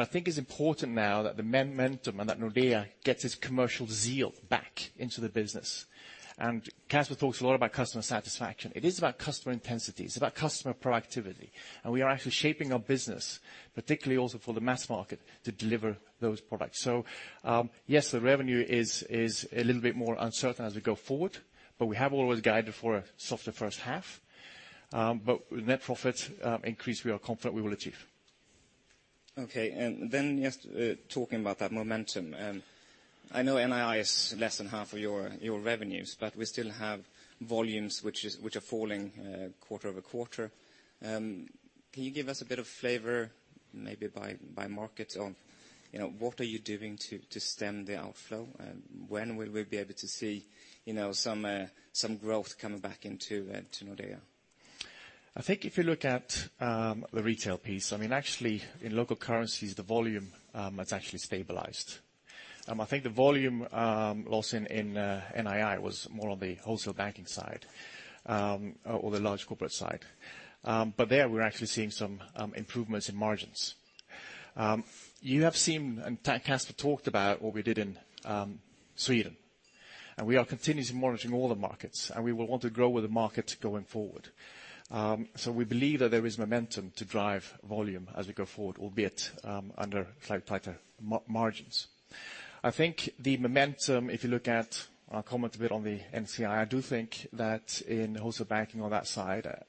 I think it's important now that the momentum and that Nordea gets its commercial zeal back into the business. Casper talks a lot about customer satisfaction. It is about customer intensity. It's about customer proactivity. We are actually shaping our business, particularly also for the mass market, to deliver those products. Yes, the revenue is a little bit more uncertain as we go forward, but we have always guided for a softer first half. Net profit increase, we are confident we will achieve. Okay. Just talking about that momentum. I know NII is less than half of your revenues, but we still have volumes which are falling quarter-over-quarter. Can you give us a bit of flavor, maybe by market, on what are you doing to stem the outflow? When will we be able to see some growth coming back into Nordea? I think if you look at the retail piece, actually in local currencies, the volume has actually stabilized. I think the volume loss in NII was more on the wholesale banking side or the large corporate side. There we're actually seeing some improvements in margins. You have seen, Casper talked about what we did in Sweden, we are continuously monitoring all the markets, we will want to grow with the market going forward. We believe that there is momentum to drive volume as we go forward, albeit under slightly tighter margins. I think the momentum, if you look at our comment a bit on the NCI, I do think that in wholesale banking on that side,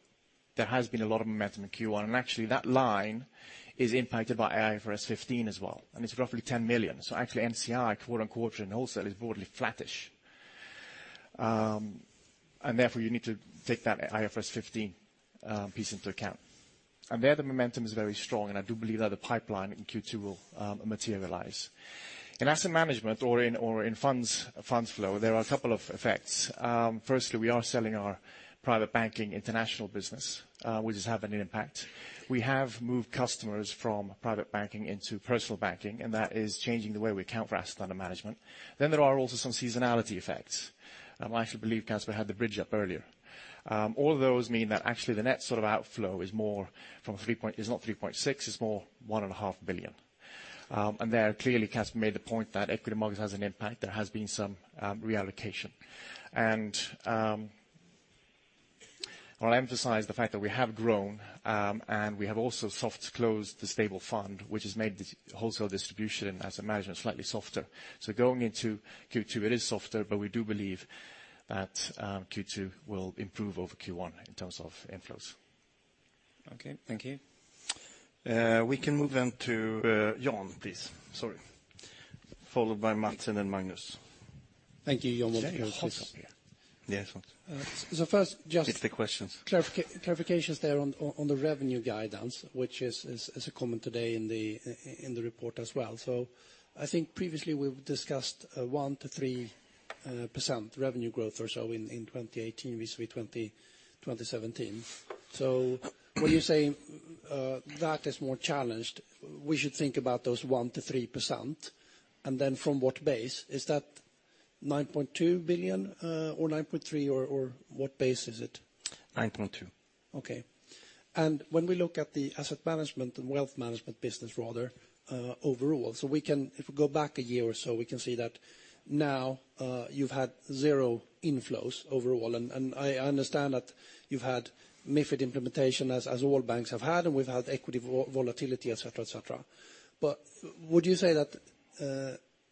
there has been a lot of momentum in Q1, actually that line is impacted by IFRS 15 as well, it's roughly 10 million. Actually NCI quarter-on-quarter in wholesale is broadly flattish. Therefore you need to take that IFRS 15 piece into account. There the momentum is very strong, I do believe that the pipeline in Q2 will materialize. In asset management or in funds flow, there are a couple of effects. Firstly, we are selling our private banking international business, which is having an impact. We have moved customers from private banking into personal banking, that is changing the way we account for asset under management. There are also some seasonality effects. I actually believe Casper had the bridge up earlier. All those mean that actually the net outflow is not 3.6 billion, it's more one and a half billion. There clearly Casper made the point that equity markets has an impact. There has been some reallocation. I'll emphasize the fact that we have grown, and we have also soft closed the Stable Fund, which has made the wholesale distribution as imagined slightly softer. Going into Q2, it is softer, but we do believe that Q2 will improve over Q1 in terms of inflows. Okay. Thank you. We can move then to Johan, please. Sorry. Followed by Mats and then Magnus. Thank you, Johan Olsson. Yes. First. It's the questions clarifications there on the revenue guidance, which is common today in the report as well. I think previously we've discussed a 1%-3% revenue growth or so in 2018 vis-à-vis 2017. When you say that is more challenged, we should think about those 1%-3%. Then from what base? Is that 9.2 billion, or 9.3, or what base is it? 9.2. Okay. When we look at the asset management and wealth management business rather overall, if we go back a year or so, we can see that now you've had zero inflows overall. I understand that you've had MiFID implementation as all banks have had, and we've had equity volatility, et cetera. Would you say that,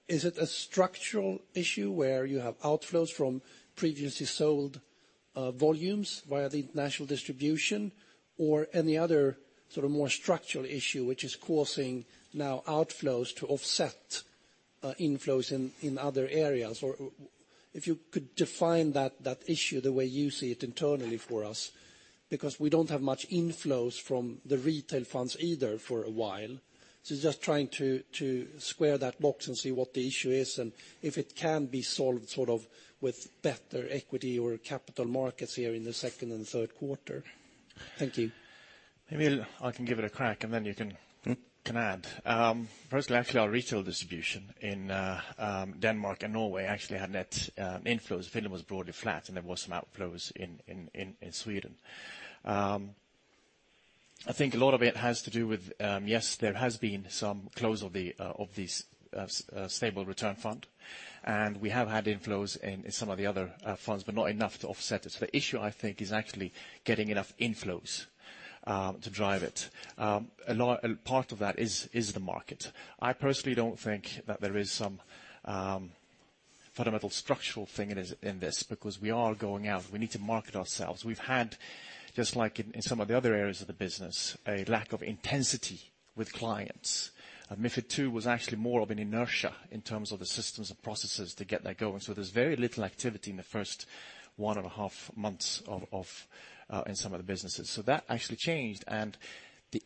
is it a structural issue where you have outflows from previously sold volumes via the international distribution? Any other sort of more structural issue which is causing now outflows to offset inflows in other areas? If you could define that issue the way you see it internally for us, because we don't have much inflows from the retail funds either for a while. Just trying to square that box and see what the issue is, and if it can be solved sort of with better equity or capital markets here in the second and third quarter. Thank you. Maybe I can give it a crack and then you can add. Personally, actually our retail distribution in Denmark and Norway actually had net inflows. Finland was broadly flat, and there was some outflows in Sweden. I think a lot of it has to do with, yes, there has been some close of these Stable Return Fund. We have had inflows in some of the other funds, but not enough to offset it. The issue, I think, is actually getting enough inflows to drive it. Part of that is the market. I personally don't think that there is some fundamental structural thing in this, because we are going out. We need to market ourselves. We've had, just like in some of the other areas of the business, a lack of intensity with clients. MiFID II was actually more of an inertia in terms of the systems and processes to get that going. There's very little activity in the first one and a half months in some of the businesses. That actually changed.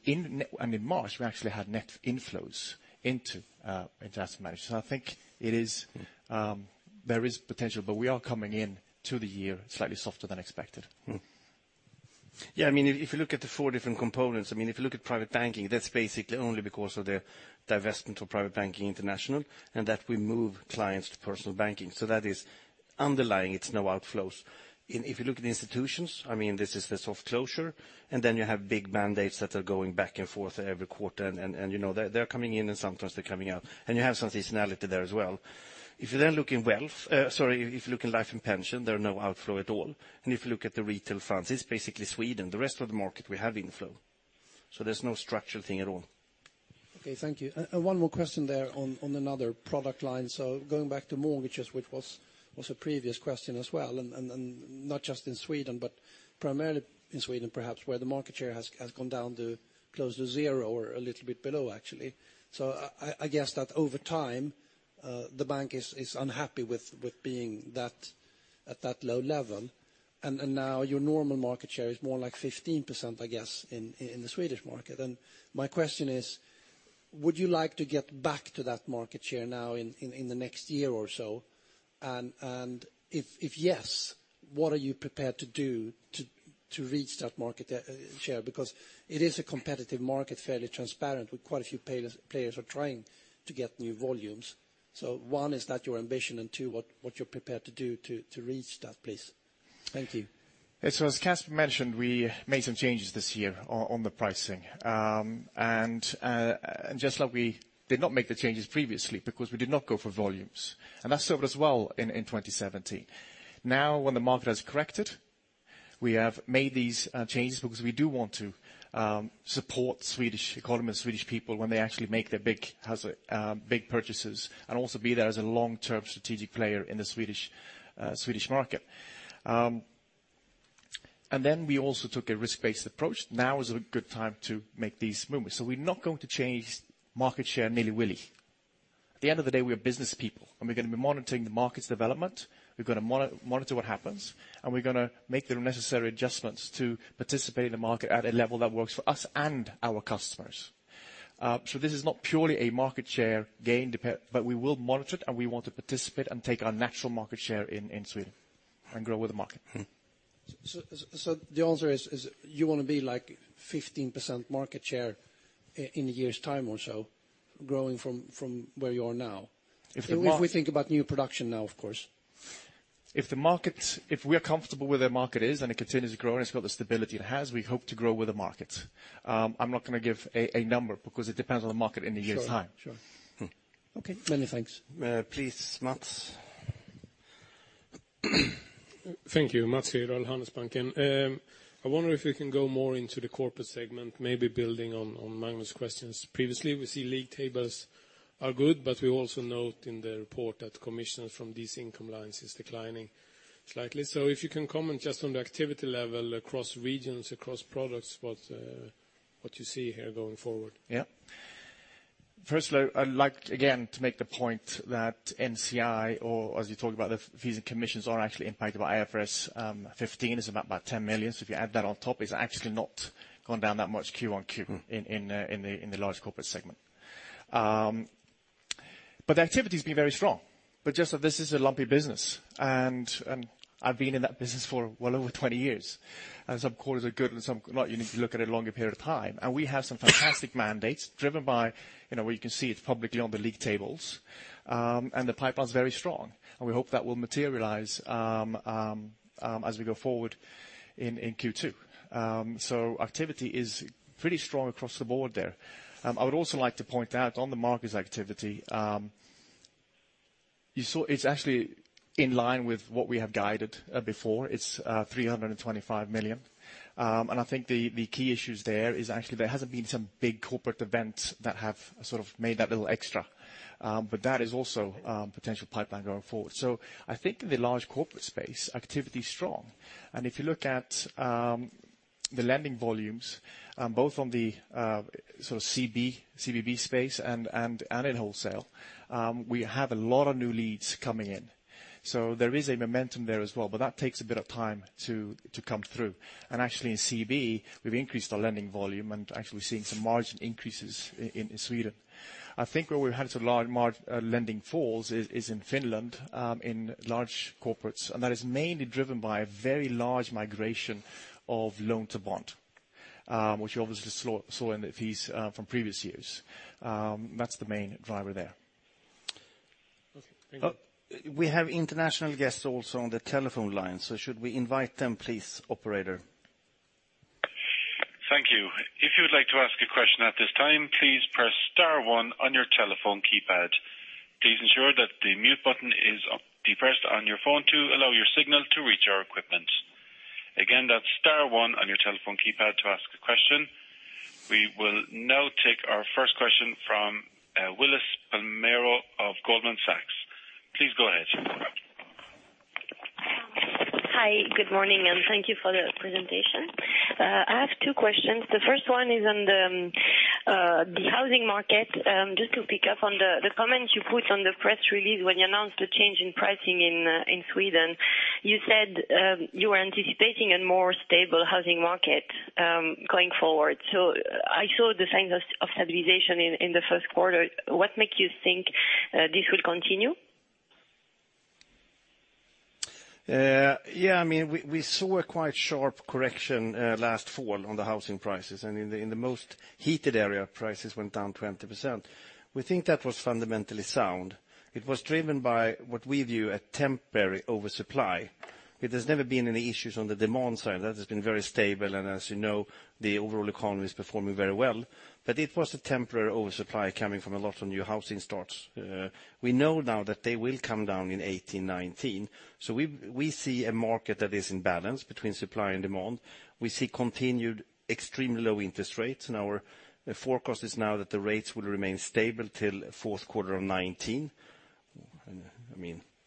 In March, we actually had net inflows into asset management. I think there is potential, but we are coming in to the year slightly softer than expected. Yeah, if you look at the four different components, if you look at private banking, that's basically only because of the divestment of Private Banking International, and that we move clients to personal banking. That is underlying, it's no outflows. If you look at institutions, this is the soft closure, and then you have big mandates that are going back and forth every quarter, and they're coming in and sometimes they're coming out. You have some seasonality there as well. If you look in wealth, sorry, if you look in Life and Pension, there are no outflow at all. If you look at the retail funds, it's basically Sweden. The rest of the market we have inflow. There's no structural thing at all. Okay, thank you. One more question there on another product line. Going back to mortgages, which was a previous question as well, and not just in Sweden, but primarily in Sweden perhaps, where the market share has gone down close to zero or a little bit below actually. I guess that over time, the bank is unhappy with being at that low level. Now your normal market share is more like 15%, I guess, in the Swedish market. My question is, would you like to get back to that market share now in the next year or so? If yes, what are you prepared to do to reach that market share? Because it is a competitive market, fairly transparent, with quite a few players are trying to get new volumes. One, is that your ambition? Two, what you're prepared to do to reach that, please? Thank you. As Casper mentioned, we made some changes this year on the pricing. Just like we did not make the changes previously because we did not go for volumes. That served us well in 2017. Now when the market has corrected, we have made these changes because we do want to support Swedish economy, Swedish people when they actually make their big purchases, and also be there as a long-term strategic player in the Swedish market. We also took a risk-based approach. Now is a good time to make these movements. We're not going to change market share willy-nilly. At the end of the day, we are business people, and we're going to be monitoring the market's development. We're going to monitor what happens, and we're going to make the necessary adjustments to participate in the market at a level that works for us and our customers. This is not purely a market share gain, but we will monitor it and we want to participate and take our natural market share in Sweden and grow with the market. The answer is you want to be like 15% market share in a year's time or so, growing from where you are now. If the mark- If we think about new production now, of course. If we're comfortable where the market is and it continues to grow and it's got the stability it has, we hope to grow with the market. I'm not going to give a number because it depends on the market in a year's time. Sure. Okay. Many thanks. Please, Matti. Thank you. Matti here, at Handelsbanken. I wonder if you can go more into the corporate segment, maybe building on Magnus' questions previously. We see league tables are good, but we also note in the report that commission from these income lines is declining slightly. If you can comment just on the activity level across regions, across products, what you see here going forward. First of all, I'd like, again, to make the point that NCI, or as you talked about, the fees and commissions are actually impacted by IFRS 15. 15 is about 10 million. If you add that on top, it's actually not gone down that much QOQ in the large corporate segment. The activity's been very strong. Just so this is a lumpy business, and I've been in that business for well over 20 years. Some quarters are good and some not. You need to look at a longer period of time. We have some fantastic mandates driven by where you can see it publicly on the league tables. The pipeline's very strong, and we hope that will materialize as we go forward in Q2. Activity is pretty strong across the board there. I would also like to point out on the markets activity, you saw it's actually in line with what we have guided before. It's 325 million. I think the key issue there is actually there hasn't been some big corporate events that have made that little extra. That is also potential pipeline going forward. I think in the large corporate space, activity is strong. If you look at the lending volumes, both on the CBB space and in wholesale, we have a lot of new leads coming in. There is a momentum there as well. That takes a bit of time to come through. Actually in CB, we've increased our lending volume and actually seeing some margin increases in Sweden. I think where we've had a large margin lending falls is in Finland, in large corporates. That is mainly driven by a very large migration of loan-to-bond, which you obviously saw in the fees from previous years. That's the main driver there. Okay. Thank you. We have international guests also on the telephone line. Should we invite them, please, operator? Thank you. If you would like to ask a question at this time, please press star one on your telephone keypad. Please ensure that the mute button is depressed on your phone to allow your signal to reach our equipment. Again, that's star one on your telephone keypad to ask a question. We will now take our first question from Willis Palermo of Goldman Sachs. Please go ahead. Hi. Good morning. Thank you for the presentation. I have two questions. The first one is on the housing market. Just to pick up on the comment you put on the press release when you announced a change in pricing in Sweden. You said you were anticipating a more stable housing market going forward. I saw the signs of stabilization in the first quarter. What makes you think this will continue? Yeah, we saw a quite sharp correction last fall on the housing prices, and in the most heated area, prices went down 20%. We think that was fundamentally sound. It was driven by what we view a temporary oversupply. It has never been any issues on the demand side. That has been very stable, and as you know, the overall economy is performing very well. It was a temporary oversupply coming from a lot of new housing starts. We know now that they will come down in 2018, 2019. We see a market that is in balance between supply and demand. We see continued extremely low interest rates. Our forecast is now that the rates will remain stable till fourth quarter of 2019.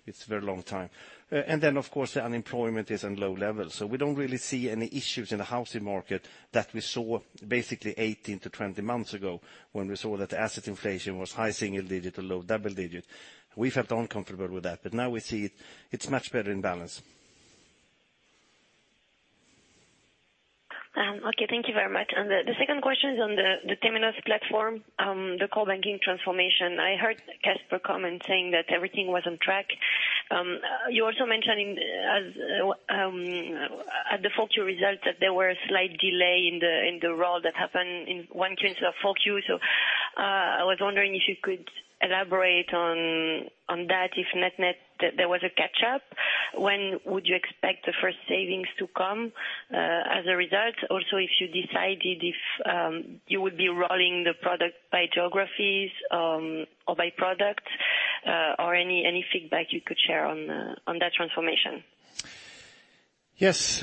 It's a very long time. Then, of course, the unemployment is on low levels. We don't really see any issues in the housing market that we saw basically 18 to 20 months ago, when we saw that asset inflation was high single digit or low double digits. We felt uncomfortable with that. Now we see it's much better in balance. Okay. Thank you very much. The second question is on the Temenos platform, the core banking transformation. I heard Casper comment saying that everything was on track. You're also mentioning at the Q4 results that there were a slight delay in the roll that happened in 1Q instead of 4Q. I was wondering if you could elaborate on that, if net there was a catch-up. When would you expect the first savings to come as a result? Also, if you decided if you would be rolling the product by geographies or by product, or any feedback you could share on that transformation. Yes.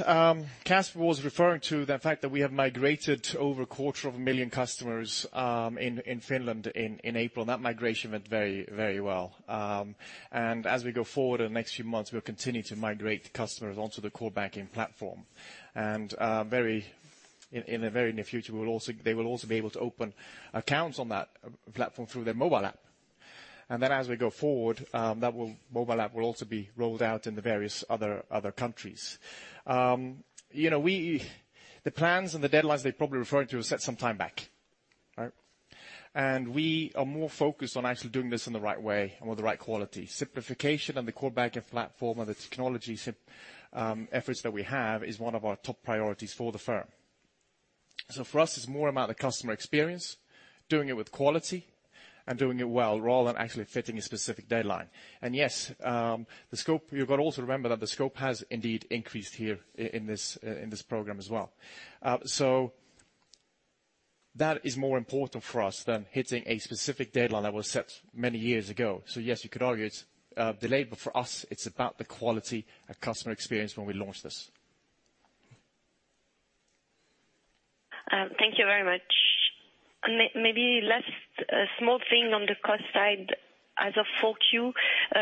Casper was referring to the fact that we have migrated over a quarter of a million customers in Finland in April, and that migration went very well. As we go forward in the next few months, we'll continue to migrate customers onto the core banking platform. In the very near future, they will also be able to open accounts on that platform through their mobile app. Then as we go forward, that mobile app will also be rolled out in the various other countries. The plans and the deadlines they're probably referring to are set some time back. We are more focused on actually doing this in the right way and with the right quality. Simplification and the core banking platform and the technology efforts that we have is one of our top priorities for the firm. For us, it's more about the customer experience, doing it with quality and doing it well, rather than actually fitting a specific deadline. Yes, you've got to also remember that the scope has indeed increased here in this program as well. That is more important for us than hitting a specific deadline that was set many years ago. Yes, you could argue it's delayed, but for us, it's about the quality of customer experience when we launch this. Thank you very much. Maybe last small thing on the cost side. As of 4Q,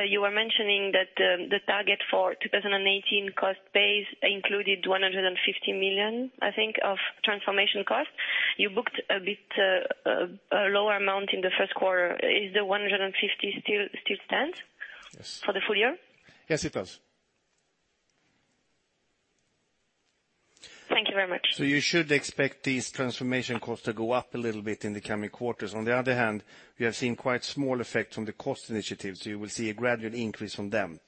you were mentioning that the target for 2018 cost base included 150 million, I think, of transformation cost. You booked a bit lower amount in the first quarter. Is the 150 still stand? Yes. For the full year? Yes, it does. Thank you very much. You should expect these transformation costs to go up a little bit in the coming quarters. On the other hand, we have seen quite small effects from the cost initiatives. You will see a gradual increase from them.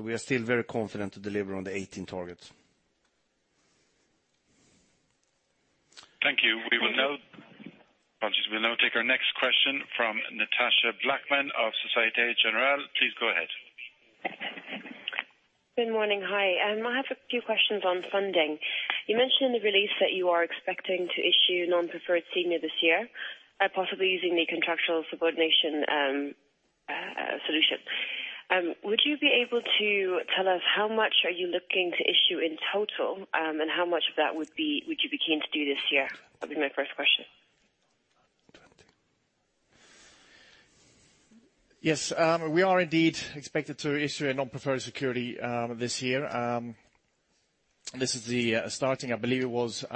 We are still very confident to deliver on the 2018 targets. Thank you. We will now take our next question from Natacha Blackman of Societe Generale. Please go ahead. Good morning. Hi. I have a few questions on funding. You mentioned in the release that you are expecting to issue non-preferred senior this year, possibly using the contractual subordination solution. Would you be able to tell us how much are you looking to issue in total, and how much of that would you be keen to do this year? That'll be my first question. Yes. We are indeed expected to issue a non-preferred security this year. This is the starting, I believe it was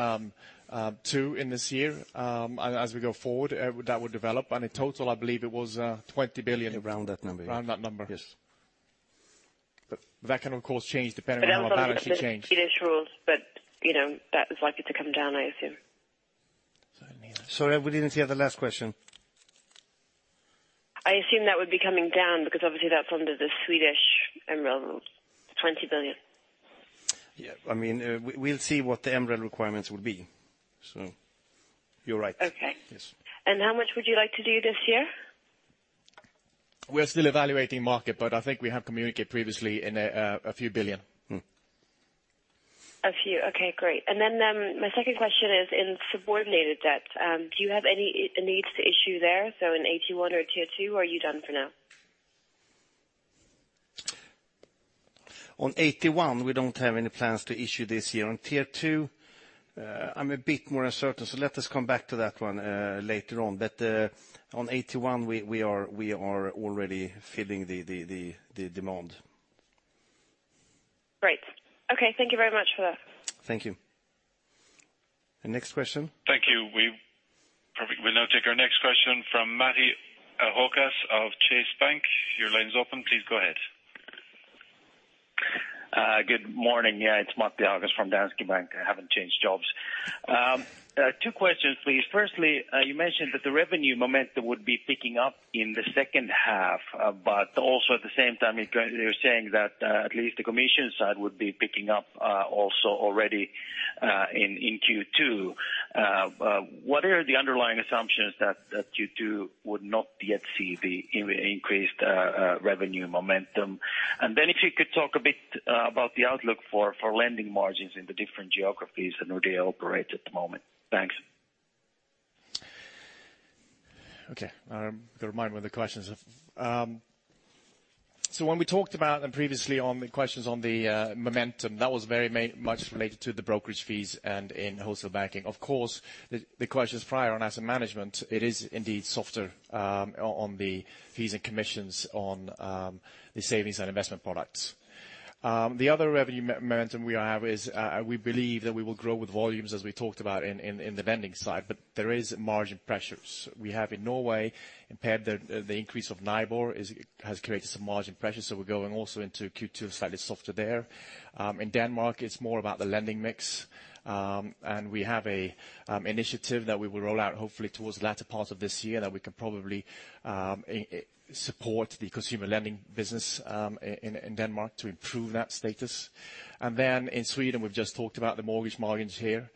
two in this year. As we go forward, that would develop. In total, I believe it was 20 billion. Around that number, yeah. Around that number. Yes. That can of course change depending on how the balance sheet changes. That was under the Swedish rules. That is likely to come down, I assume. Sorry, we didn't hear the last question. I assume that would be coming down because obviously that's under the Swedish MREL, 20 billion. Yeah. We'll see what the MREL requirements will be. You're right. Okay. Yes. How much would you like to do this year? We're still evaluating market, but I think we have communicated previously in a few billion. A few. Okay, great. Then my second question is in subordinated debt. Do you have any needs to issue there, so in AT1 or Tier 2, or are you done for now? On AT1, we don't have any plans to issue this year. On Tier 2, I'm a bit more uncertain, so let us come back to that one later on. On AT1, we are already filling the demand. Great. Okay. Thank you very much for that. Thank you. The next question. Thank you. Perfect. We'll now take our next question from Matti Ahokas of Danske Bank. Your line's open. Please go ahead. Good morning. Yeah, it's Matti Ahokas from Danske Bank. I haven't changed jobs. Two questions, please. Firstly, you mentioned that the revenue momentum would be picking up in the second half, but also at the same time, you're saying that at least the commission side would be picking up also already in Q2. What are the underlying assumptions that Q2 would not yet see the increased revenue momentum? If you could talk a bit about the outlook for lending margins in the different geographies and where they operate at the moment. Thanks. Okay. Got to remind me of the questions. When we talked about and previously on the questions on the momentum, that was very much related to the brokerage fees and in wholesale banking. Of course, the questions prior on asset management, it is indeed softer on the fees and commissions on the savings and investment products. The other revenue momentum we have is, we believe that we will grow with volumes as we talked about in the lending side, but there is margin pressures. We have in Norway, impaired the increase of NIBOR has created some margin pressures, so we're going also into Q2 slightly softer there. In Denmark, it's more about the lending mix. We have an initiative that we will roll out hopefully towards the latter part of this year that we can probably support the consumer lending business in Denmark to improve that status. In Sweden, we've just talked about the mortgage margins here.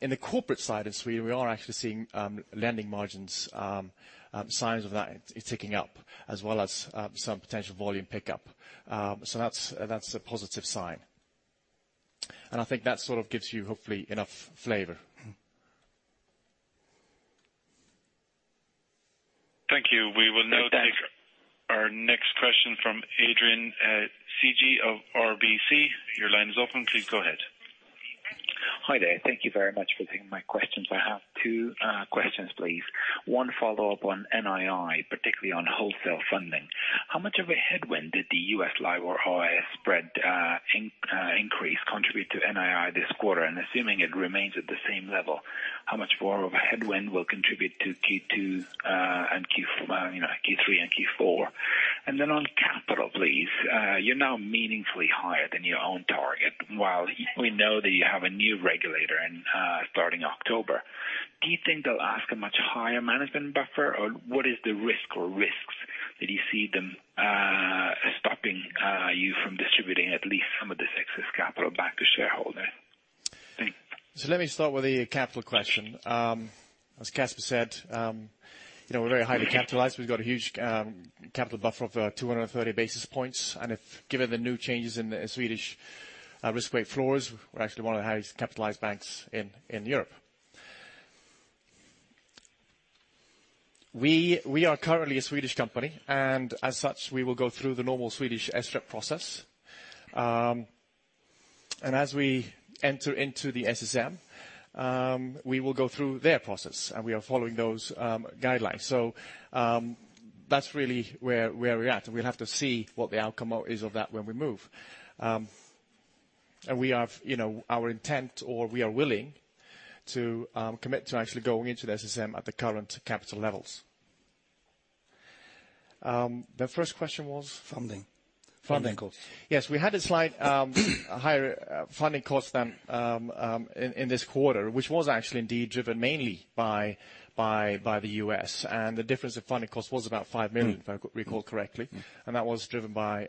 In the corporate side in Sweden, we are actually seeing lending margins, signs of that ticking up, as well as some potential volume pickup. That's a positive sign. I think that sort of gives you hopefully enough flavor. Thank you. We will now take- Thanks. Our next question from Adrian Cighi of RBC. Your line is open. Please go ahead. Hi there. Thank you very much for taking my questions. I have two questions, please. One follow-up on NII, particularly on wholesale funding. How much of a headwind did the U.S. LIBOR-OIS spread increase contribute to NII this quarter? Assuming it remains at the same level, how much more of a headwind will contribute to Q2 and Q3 and Q4? Then on capital, please. You're now meaningfully higher than your own target. While we know that you have a new regulator starting October, do you think they'll ask a much higher management buffer, or what is the risk or risks that you see them stopping you from distributing at least some of the excess capital back to shareholders? Thank you. Let me start with the capital question. As Casper said, we're very highly capitalized. We've got a huge capital buffer of 230 basis points. Given the new changes in the Swedish risk weight floors, we're actually one of the highest capitalized banks in Europe. We are currently a Swedish company, and as such, we will go through the normal Swedish SREP process. As we enter into the SSM, we will go through their process, and we are following those guidelines. That's really where we are at. We'll have to see what the outcome is of that when we move. Our intent, or we are willing to commit to actually going into the SSM at the current capital levels. The first question was? Funding. Funding. Funding costs. Yes, we had a slight higher funding cost in this quarter, which was actually indeed driven mainly by the U.S., the difference of funding cost was about 5 million, if I recall correctly. That was driven by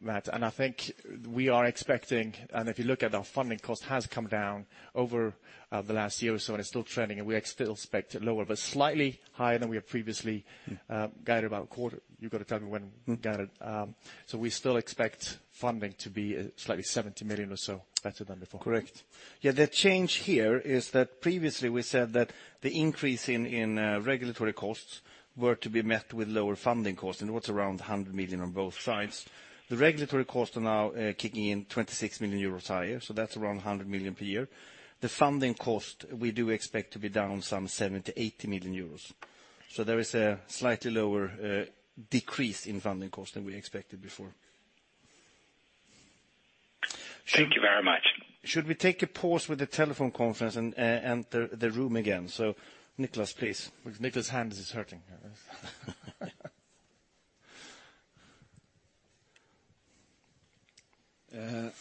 Matt. I think we are expecting, if you look at our funding cost, has come down over the last year or so, and it is still trending, and we still expect it lower, but slightly higher than we had previously guided about a quarter. You have got to tell me when we guided. We still expect funding to be slightly 70 million or so better than before. Correct. Yeah, the change here is that previously we said that the increase in regulatory costs were to be met with lower funding costs, and it was around 100 million on both sides. The regulatory costs are now kicking in 26 million euros higher, that is around 100 million per year. The funding cost, we do expect to be down some 70, 80 million euros. There is a slightly lower decrease in funding costs than we expected before. Thank you very much. Should we take a pause with the telephone conference and enter the room again? Nicolas, please. Nicolas' hands is hurting.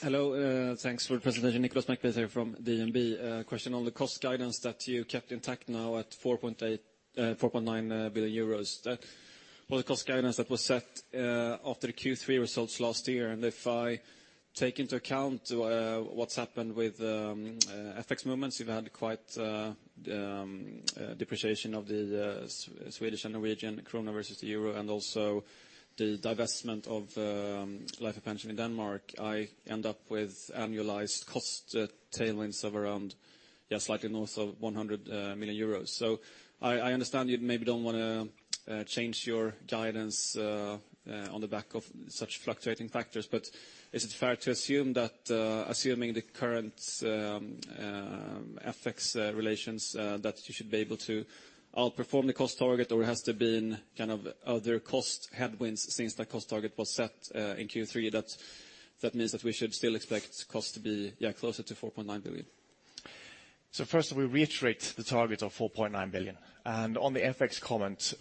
Hello, thanks for the presentation. Nicolas McBeath here from DNB. Question on the cost guidance that you kept intact now at 4.9 billion euros. The cost guidance that was set after the Q3 results last year, and if I take into account what's happened with FX movements, we've had quite depreciation of the Swedish and Norwegian kroner versus the euro and also the divestment of Life and Pension in Denmark, I end up with annualized cost tailwinds of around, yeah, slightly north of 100 million euros. I understand you maybe don't want to change your guidance on the back of such fluctuating factors, but is it fair to assume that assuming the current FX relations that you should be able to outperform the cost target, or has there been other cost headwinds since the cost target was set in Q3 that means that we should still expect cost to be closer to 4.9 billion? First of all, we reiterate the target of 4.9 billion. On the FX comment,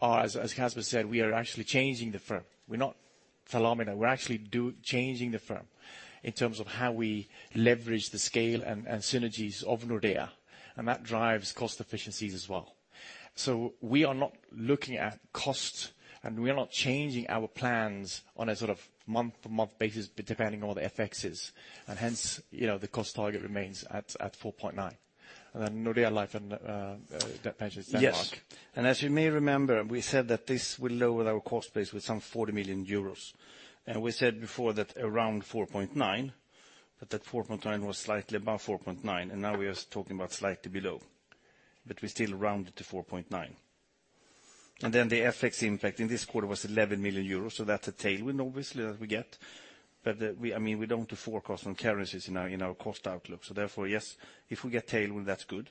as Casper said, we are actually changing the firm. We're not phenomenal. We're actually changing the firm in terms of how we leverage the scale and synergies of Nordea, and that drives cost efficiencies as well. We are not looking at cost, and we are not changing our plans on a month-to-month basis, depending on what the FX is, and hence, the cost target remains at 4.9. Nordea Life and Pension in Denmark. Yes. As you may remember, we said that this will lower our cost base with some 40 million euros. We said before that around 4.9, but that 4.9 was slightly above 4.9, and now we are talking about slightly below. We still round it to 4.9. The FX impact in this quarter was 11 million euros. That's a tailwind, obviously, that we get. We don't forecast on currencies in our cost outlook. Therefore, yes, if we get tailwind, that's good,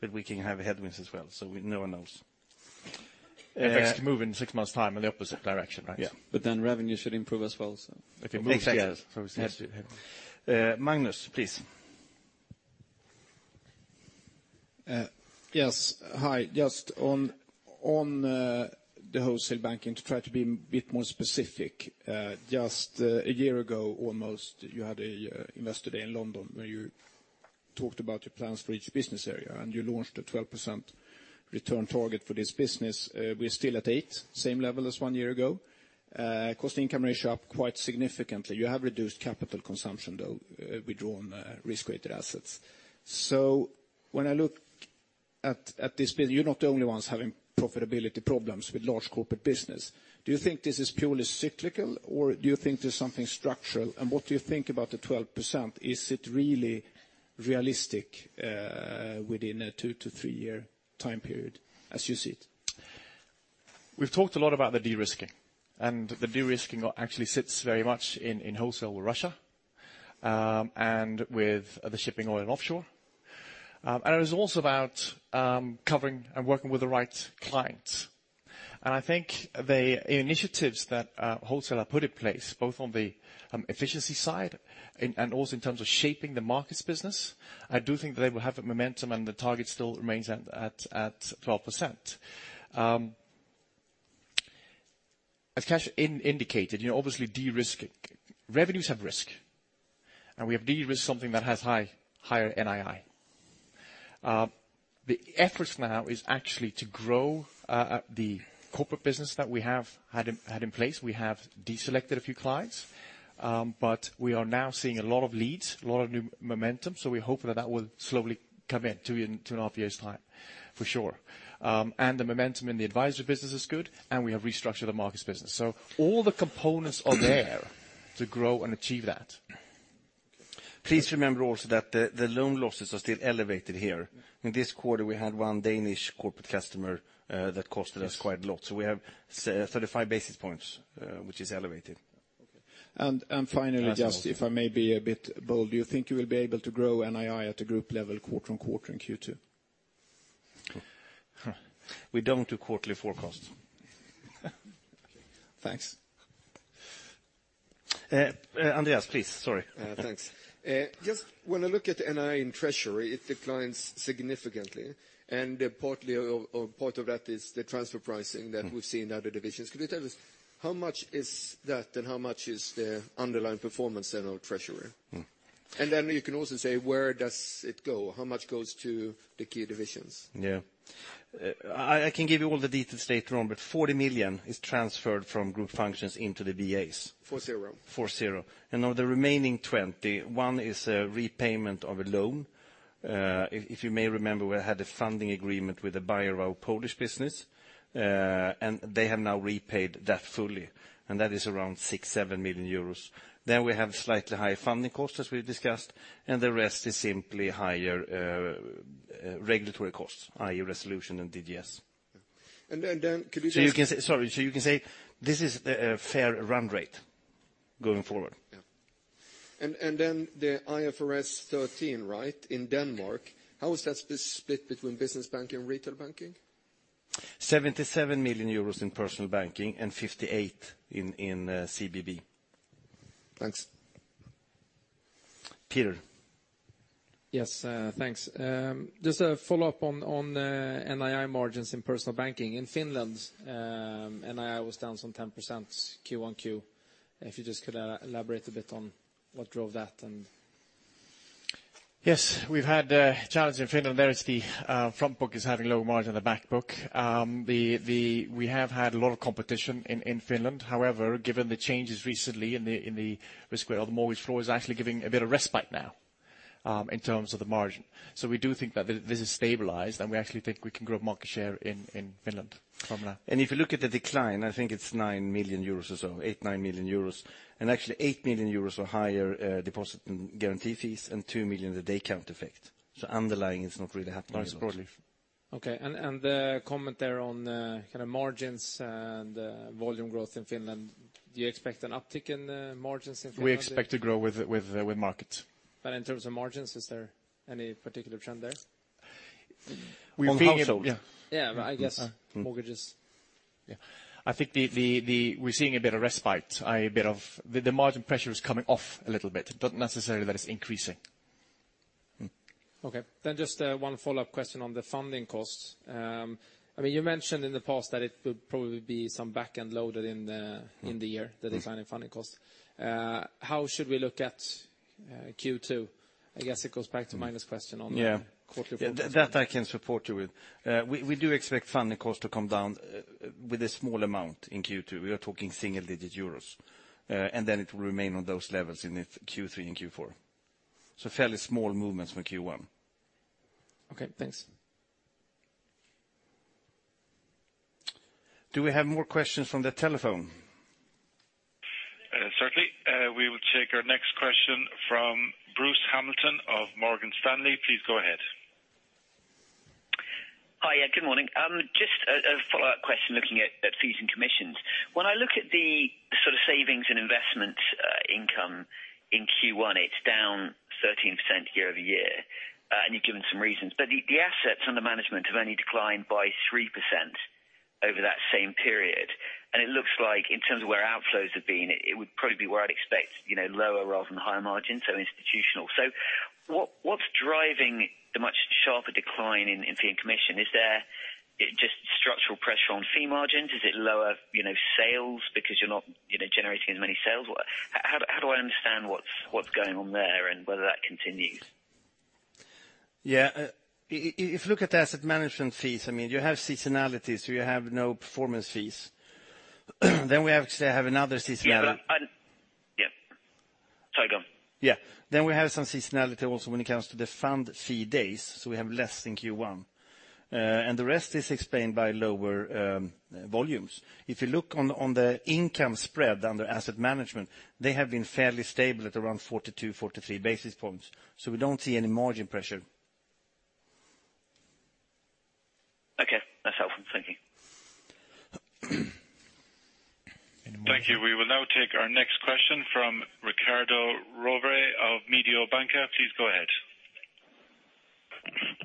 but we can have headwinds as well. No one knows. FX can move in six months' time in the opposite direction, right? Yeah. Revenue should improve as well. If it moves, yes. Magnus, please. Yes. Hi. Just on the Wholesale Banking, to try to be a bit more specific. Just a year ago almost, you had an investor day in London where you talked about your plans for each business area, and you launched a 12% return target for this business. We're still at eight, same level as one year ago. Cost income ratio up quite significantly. You have reduced capital consumption, though, withdrawn risk-weighted assets. When I look at this business, you're not the only ones having profitability problems with large corporate business. Do you think this is purely cyclical, or do you think there's something structural? What do you think about the 12%? Is it really realistic within a two to three-year time period as you see it? We've talked a lot about the de-risking, and the de-risking actually sits very much in Wholesale with Russia and with the shipping oil and offshore. It was also about covering and working with the right clients. I think the initiatives that Wholesale have put in place, both on the efficiency side and also in terms of shaping the Markets business, I do think they will have a momentum, and the target still remains at 12%. As Casper indicated, obviously de-risking. Revenues have risk, and we have de-risked something that has higher NII. The efforts now is actually to grow the corporate business that we have had in place. We have deselected a few clients. We are now seeing a lot of leads, a lot of new momentum. We're hoping that that will slowly come in two and a half years' time, for sure. The momentum in the advisory business is good, and we have restructured the Markets business. All the components are there to grow and achieve that. Please remember also that the loan losses are still elevated here. In this quarter, we had one Danish corporate customer that cost us quite a lot. We have 35 basis points, which is elevated. Okay. Finally, just if I may be a bit bold, do you think you will be able to grow NII at a group level quarter on quarter in Q2? We don't do quarterly forecasts. Okay. Thanks. Andreas, please. Sorry. Thanks. Just when I look at NII in treasury, it declines significantly. Part of that is the transfer pricing that we see in other divisions. Could you tell us how much is that and how much is the underlying performance then on treasury? You can also say where does it go? How much goes to the key divisions? Yeah. I can give you all the details later on. €40 million is transferred from group functions into the VAs. 40. 40. Of the remaining 20, one is a repayment of a loan. If you may remember, we had a funding agreement with the buyer of our Polish business, and they have now repaid that fully, and that is around 6 million-7 million euros. We have slightly higher funding costs, as we discussed, and the rest is simply higher regulatory costs, i.e., resolution and DGS. Could you just- Sorry. You can say this is a fair run rate going forward. Yeah. The IFRS 15, right, in Denmark. How is that split between business banking and retail banking? 77 million euros in personal banking and 58 in CBB. Thanks. Peter. Yes. Thanks. Just a follow-up on NII margins in personal banking. In Finland, NII was down some 10% Q1 Q. If you just could elaborate a bit on what drove that? Yes. We've had challenges in Finland. There it's the front book is having lower margin on the back book. We have had a lot of competition in Finland. However, given the changes recently in the risk weight, the mortgage flow is actually giving a bit of respite now in terms of the margin. We do think that this is stabilized, and we actually think we can grow market share in Finland from now. If you look at the decline, I think it's 9 million euros or so. 8 million euros, 9 million euros. Actually 8 million euros or higher deposit in guarantee fees and 2 million the day count effect. Underlying, it's not really happening a lot. Nice. Broadly. Okay. A comment there on kind of margins and volume growth in Finland. Do you expect an uptick in margins in Finland? We expect to grow with market. In terms of margins, is there any particular trend there? We're seeing it, yeah. Yeah. I guess mortgages. Yeah. I think we're seeing a bit of respite. The margin pressure is coming off a little bit. Not necessarily that it's increasing. Okay. Just one follow-up question on the funding costs. You mentioned in the past that it will probably be some back end loaded in the year- the decline in funding costs. How should we look at Q2? I guess it goes back to Magnus question on- Yeah quarterly. That I can support you with. We do expect funding costs to come down with a small amount in Q2. We are talking single-digit euros. It will remain on those levels in Q3 and Q4. Fairly small movements from Q1. Okay, thanks. Do we have more questions from the telephone? Certainly. We will take our next question from Bruce Hamilton of Morgan Stanley. Please go ahead. Hi. Good morning. Just a follow-up question looking at fees and commissions. When I look at the sort of savings and investments income in Q1, it's down 13% year-over-year. You've given some reasons, but the assets under management have only declined by 3% over that same period. It looks like in terms of where outflows have been, it would probably be where I'd expect lower rather than higher margins, so institutional. What's driving the much sharper decline in fee and commission? Is there just structural pressure on fee margins? Is it lower sales because you're not generating as many sales? How do I understand what's going on there and whether that continues? If you look at asset management fees, you have seasonality, so you have no performance fees. We actually have another seasonality- Sorry, go on. We have some seasonality also when it comes to the fund fee days, so we have less in Q1. The rest is explained by lower volumes. If you look on the income spread under asset management, they have been fairly stable at around 42, 43 basis points. We don't see any margin pressure. Okay. That's helpful. Thank you. Thank you. We will now take our next question from Riccardo Rovere of Mediobanca. Please go ahead.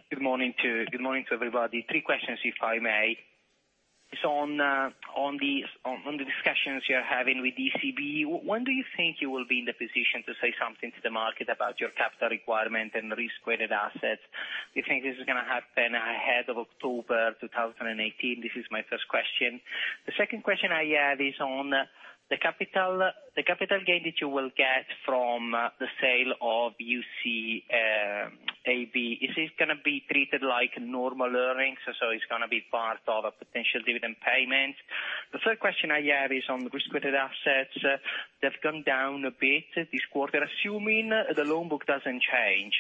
Good morning to everybody. Three questions if I may. On the discussions you're having with ECB, when do you think you will be in the position to say something to the market about your capital requirement and risk-weighted assets? Do you think this is going to happen ahead of October 2018? This is my first question. The second question I have is on the capital gain that you will get from the sale of UCAB. Is this going to be treated like normal earnings, so it's going to be part of a potential dividend payment? The third question I have is on risk-weighted assets. They've gone down a bit this quarter. Assuming the loan book doesn't change,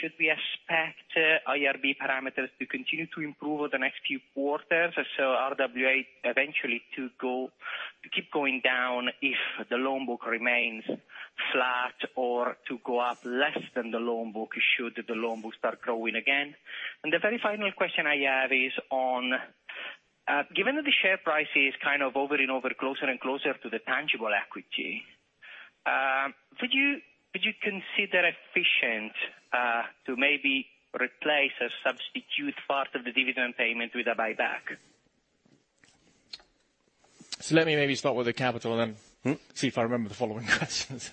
should we expect IRB parameters to continue to improve over the next few quarters, so RWA eventually to keep going down if the loan book remains flat or to go up less than the loan book should the loan book start growing again. The very final question I have is on, given that the share price is over and over, closer and closer to the tangible equity, would you consider efficient to maybe replace or substitute part of the dividend payment with a buyback? Let me maybe start with the capital and see if I remember the following questions.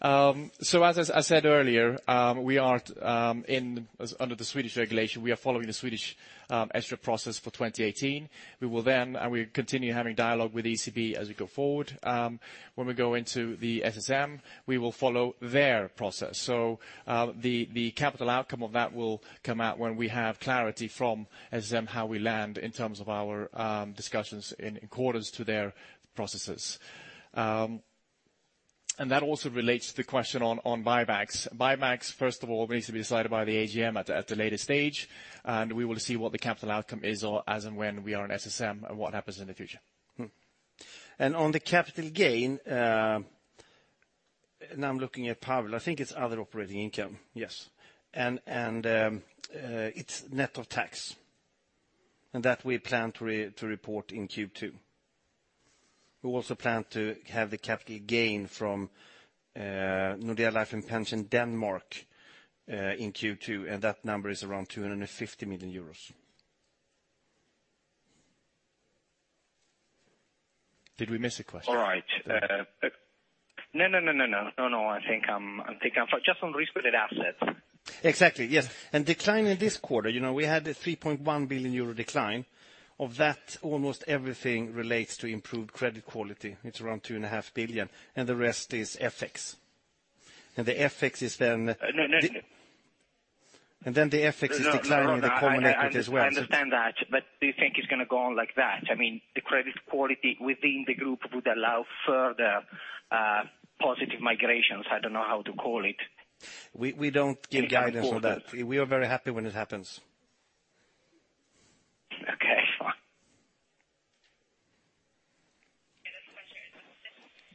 As I said earlier, under the Swedish regulation, we are following the Swedish extra process for 2018. We will continue having dialogue with ECB as we go forward. When we go into the SSM, we will follow their process. The capital outcome of that will come out when we have clarity from SSM how we land in terms of our discussions in accordance to their processes. That also relates to the question on buybacks. Buybacks, first of all, needs to be decided by the AGM at the later stage, and we will see what the capital outcome is as and when we are in SSM and what happens in the future. On the capital gain, now I'm looking at Paweł, I think it's other operating income. Yes. It's net of tax. That we plan to report in Q2. We also plan to have the capital gain from Nordea Life and Pension Denmark in Q2, and that number is around 250 million euros. Did we miss a question? All right. No, I think I'm Just on risk-weighted assets. Decline in this quarter, we had a 3.1 billion euro decline. Of that, almost everything relates to improved credit quality. It's around 2.5 billion, and the rest is FX. The FX is then. No. The FX is declining the common equity as well. No, I understand that. Do you think it's going to go on like that? The credit quality within the group would allow further positive migrations. I don't know how to call it. We don't give guidance on that. We are very happy when it happens. Okay,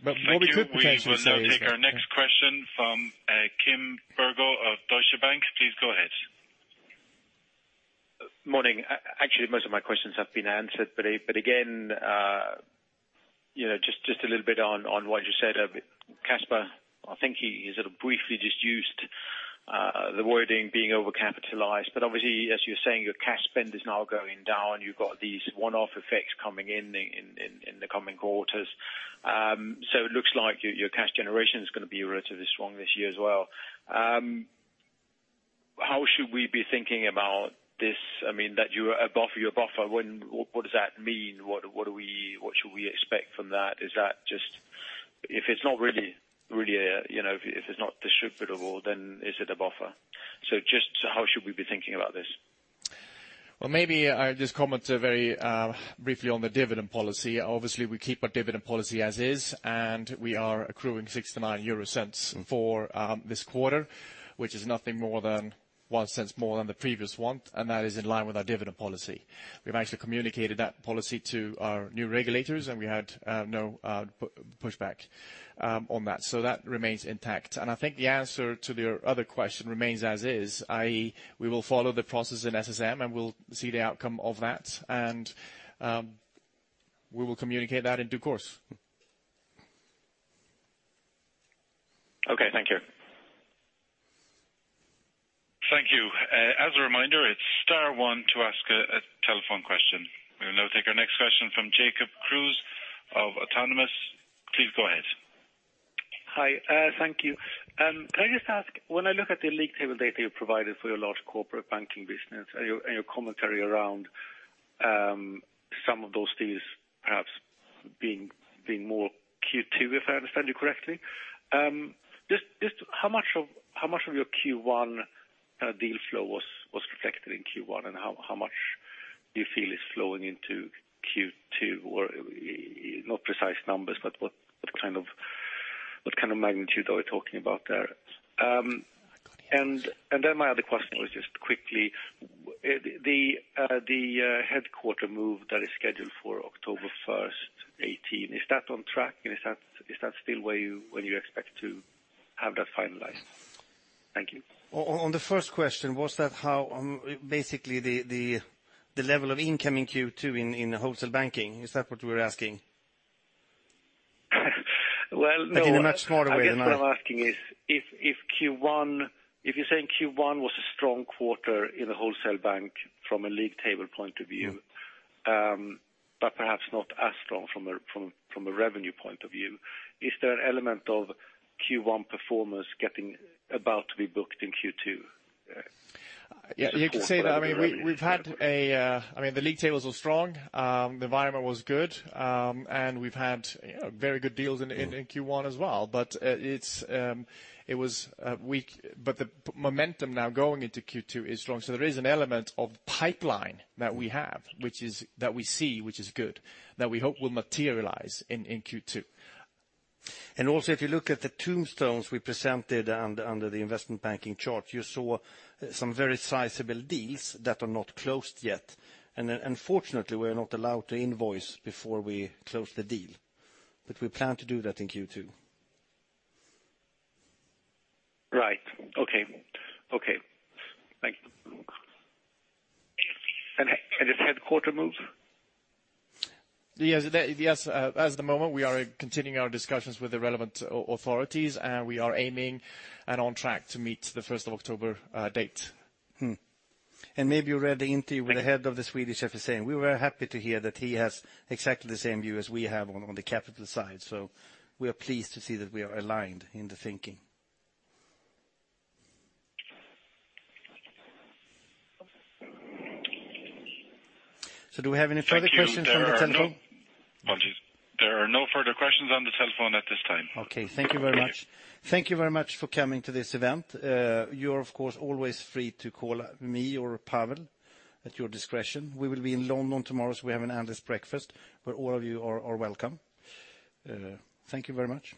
fine. What we could say is that. Thank you. We will now take our next question from Kim Bergoe of Deutsche Bank. Please go ahead. Morning. Actually, most of my questions have been answered, again, just a little bit on what you said. Casper, I think he sort of briefly just used the wording being over-capitalized. Obviously, as you're saying, your cash spend is now going down. You've got these one-off effects coming in the coming quarters. It looks like your cash generation is going to be relatively strong this year as well. How should we be thinking about this? That you are above your buffer, what does that mean? What should we expect from that? If it's not distributable, then is it a buffer? Just how should we be thinking about this? Well, maybe I'll just comment very briefly on the dividend policy. Obviously, we keep our dividend policy as is, and we are accruing 0.69 for this quarter, which is nothing more than 0.01 more than the previous one, and that is in line with our dividend policy. We've actually communicated that policy to our new regulators, and we had no pushback on that. That remains intact. I think the answer to your other question remains as is, i.e., we will follow the process in SSM, and we'll see the outcome of that, and we will communicate that in due course. Okay, thank you. Thank you. As a reminder, it's star one to ask a telephone question. We will now take our next question from Jacob Kruse of Autonomous. Please go ahead. Hi, thank you. Can I just ask, when I look at the league table data you provided for your large corporate banking business and your commentary around some of those deals perhaps being more Q2, if I understand you correctly. Just how much of your Q1 deal flow was reflected in Q1, and how much do you feel is flowing into Q2? Not precise numbers, but what kind of magnitude are we talking about there? My other question was just quickly, the headquarter move that is scheduled for October 1st, 2018, is that on track? Is that still when you expect to have that finalized? Thank you. On the first question, was that how, basically the level of income in Q2 in wholesale banking, is that what you were asking? Well, no. Like in a much smaller way than I- I guess what I'm asking is, if you're saying Q1 was a strong quarter in the wholesale bank from a league table point of view, but perhaps not as strong from a revenue point of view, is there an element of Q1 performance getting about to be booked in Q2? You could say that. The league tables were strong. The environment was good. We've had very good deals in Q1 as well. The momentum now going into Q2 is strong. There is an element of pipeline that we have, that we see, which is good, that we hope will materialize in Q2. Also, if you look at the tombstones we presented under the investment banking chart, you saw some very sizable deals that are not closed yet. Unfortunately, we are not allowed to invoice before we close the deal. We plan to do that in Q2. Right. Okay. Thank you. This headquarter move? Yes. As of the moment, we are continuing our discussions with the relevant authorities, and we are aiming and on track to meet the 1st of October date. Maybe you read the INT with the head of the Swedish FSA. We were happy to hear that he has exactly the same view as we have on the capital side. We are pleased to see that we are aligned in the thinking. Do we have any further questions on the telephone? Thank you. There are no further questions on the telephone at this time. Thank you very much. Thank you. Thank you very much for coming to this event. You're of course always free to call me or Paweł at your discretion. We will be in London tomorrow, so we have an analyst breakfast where all of you are welcome. Thank you very much.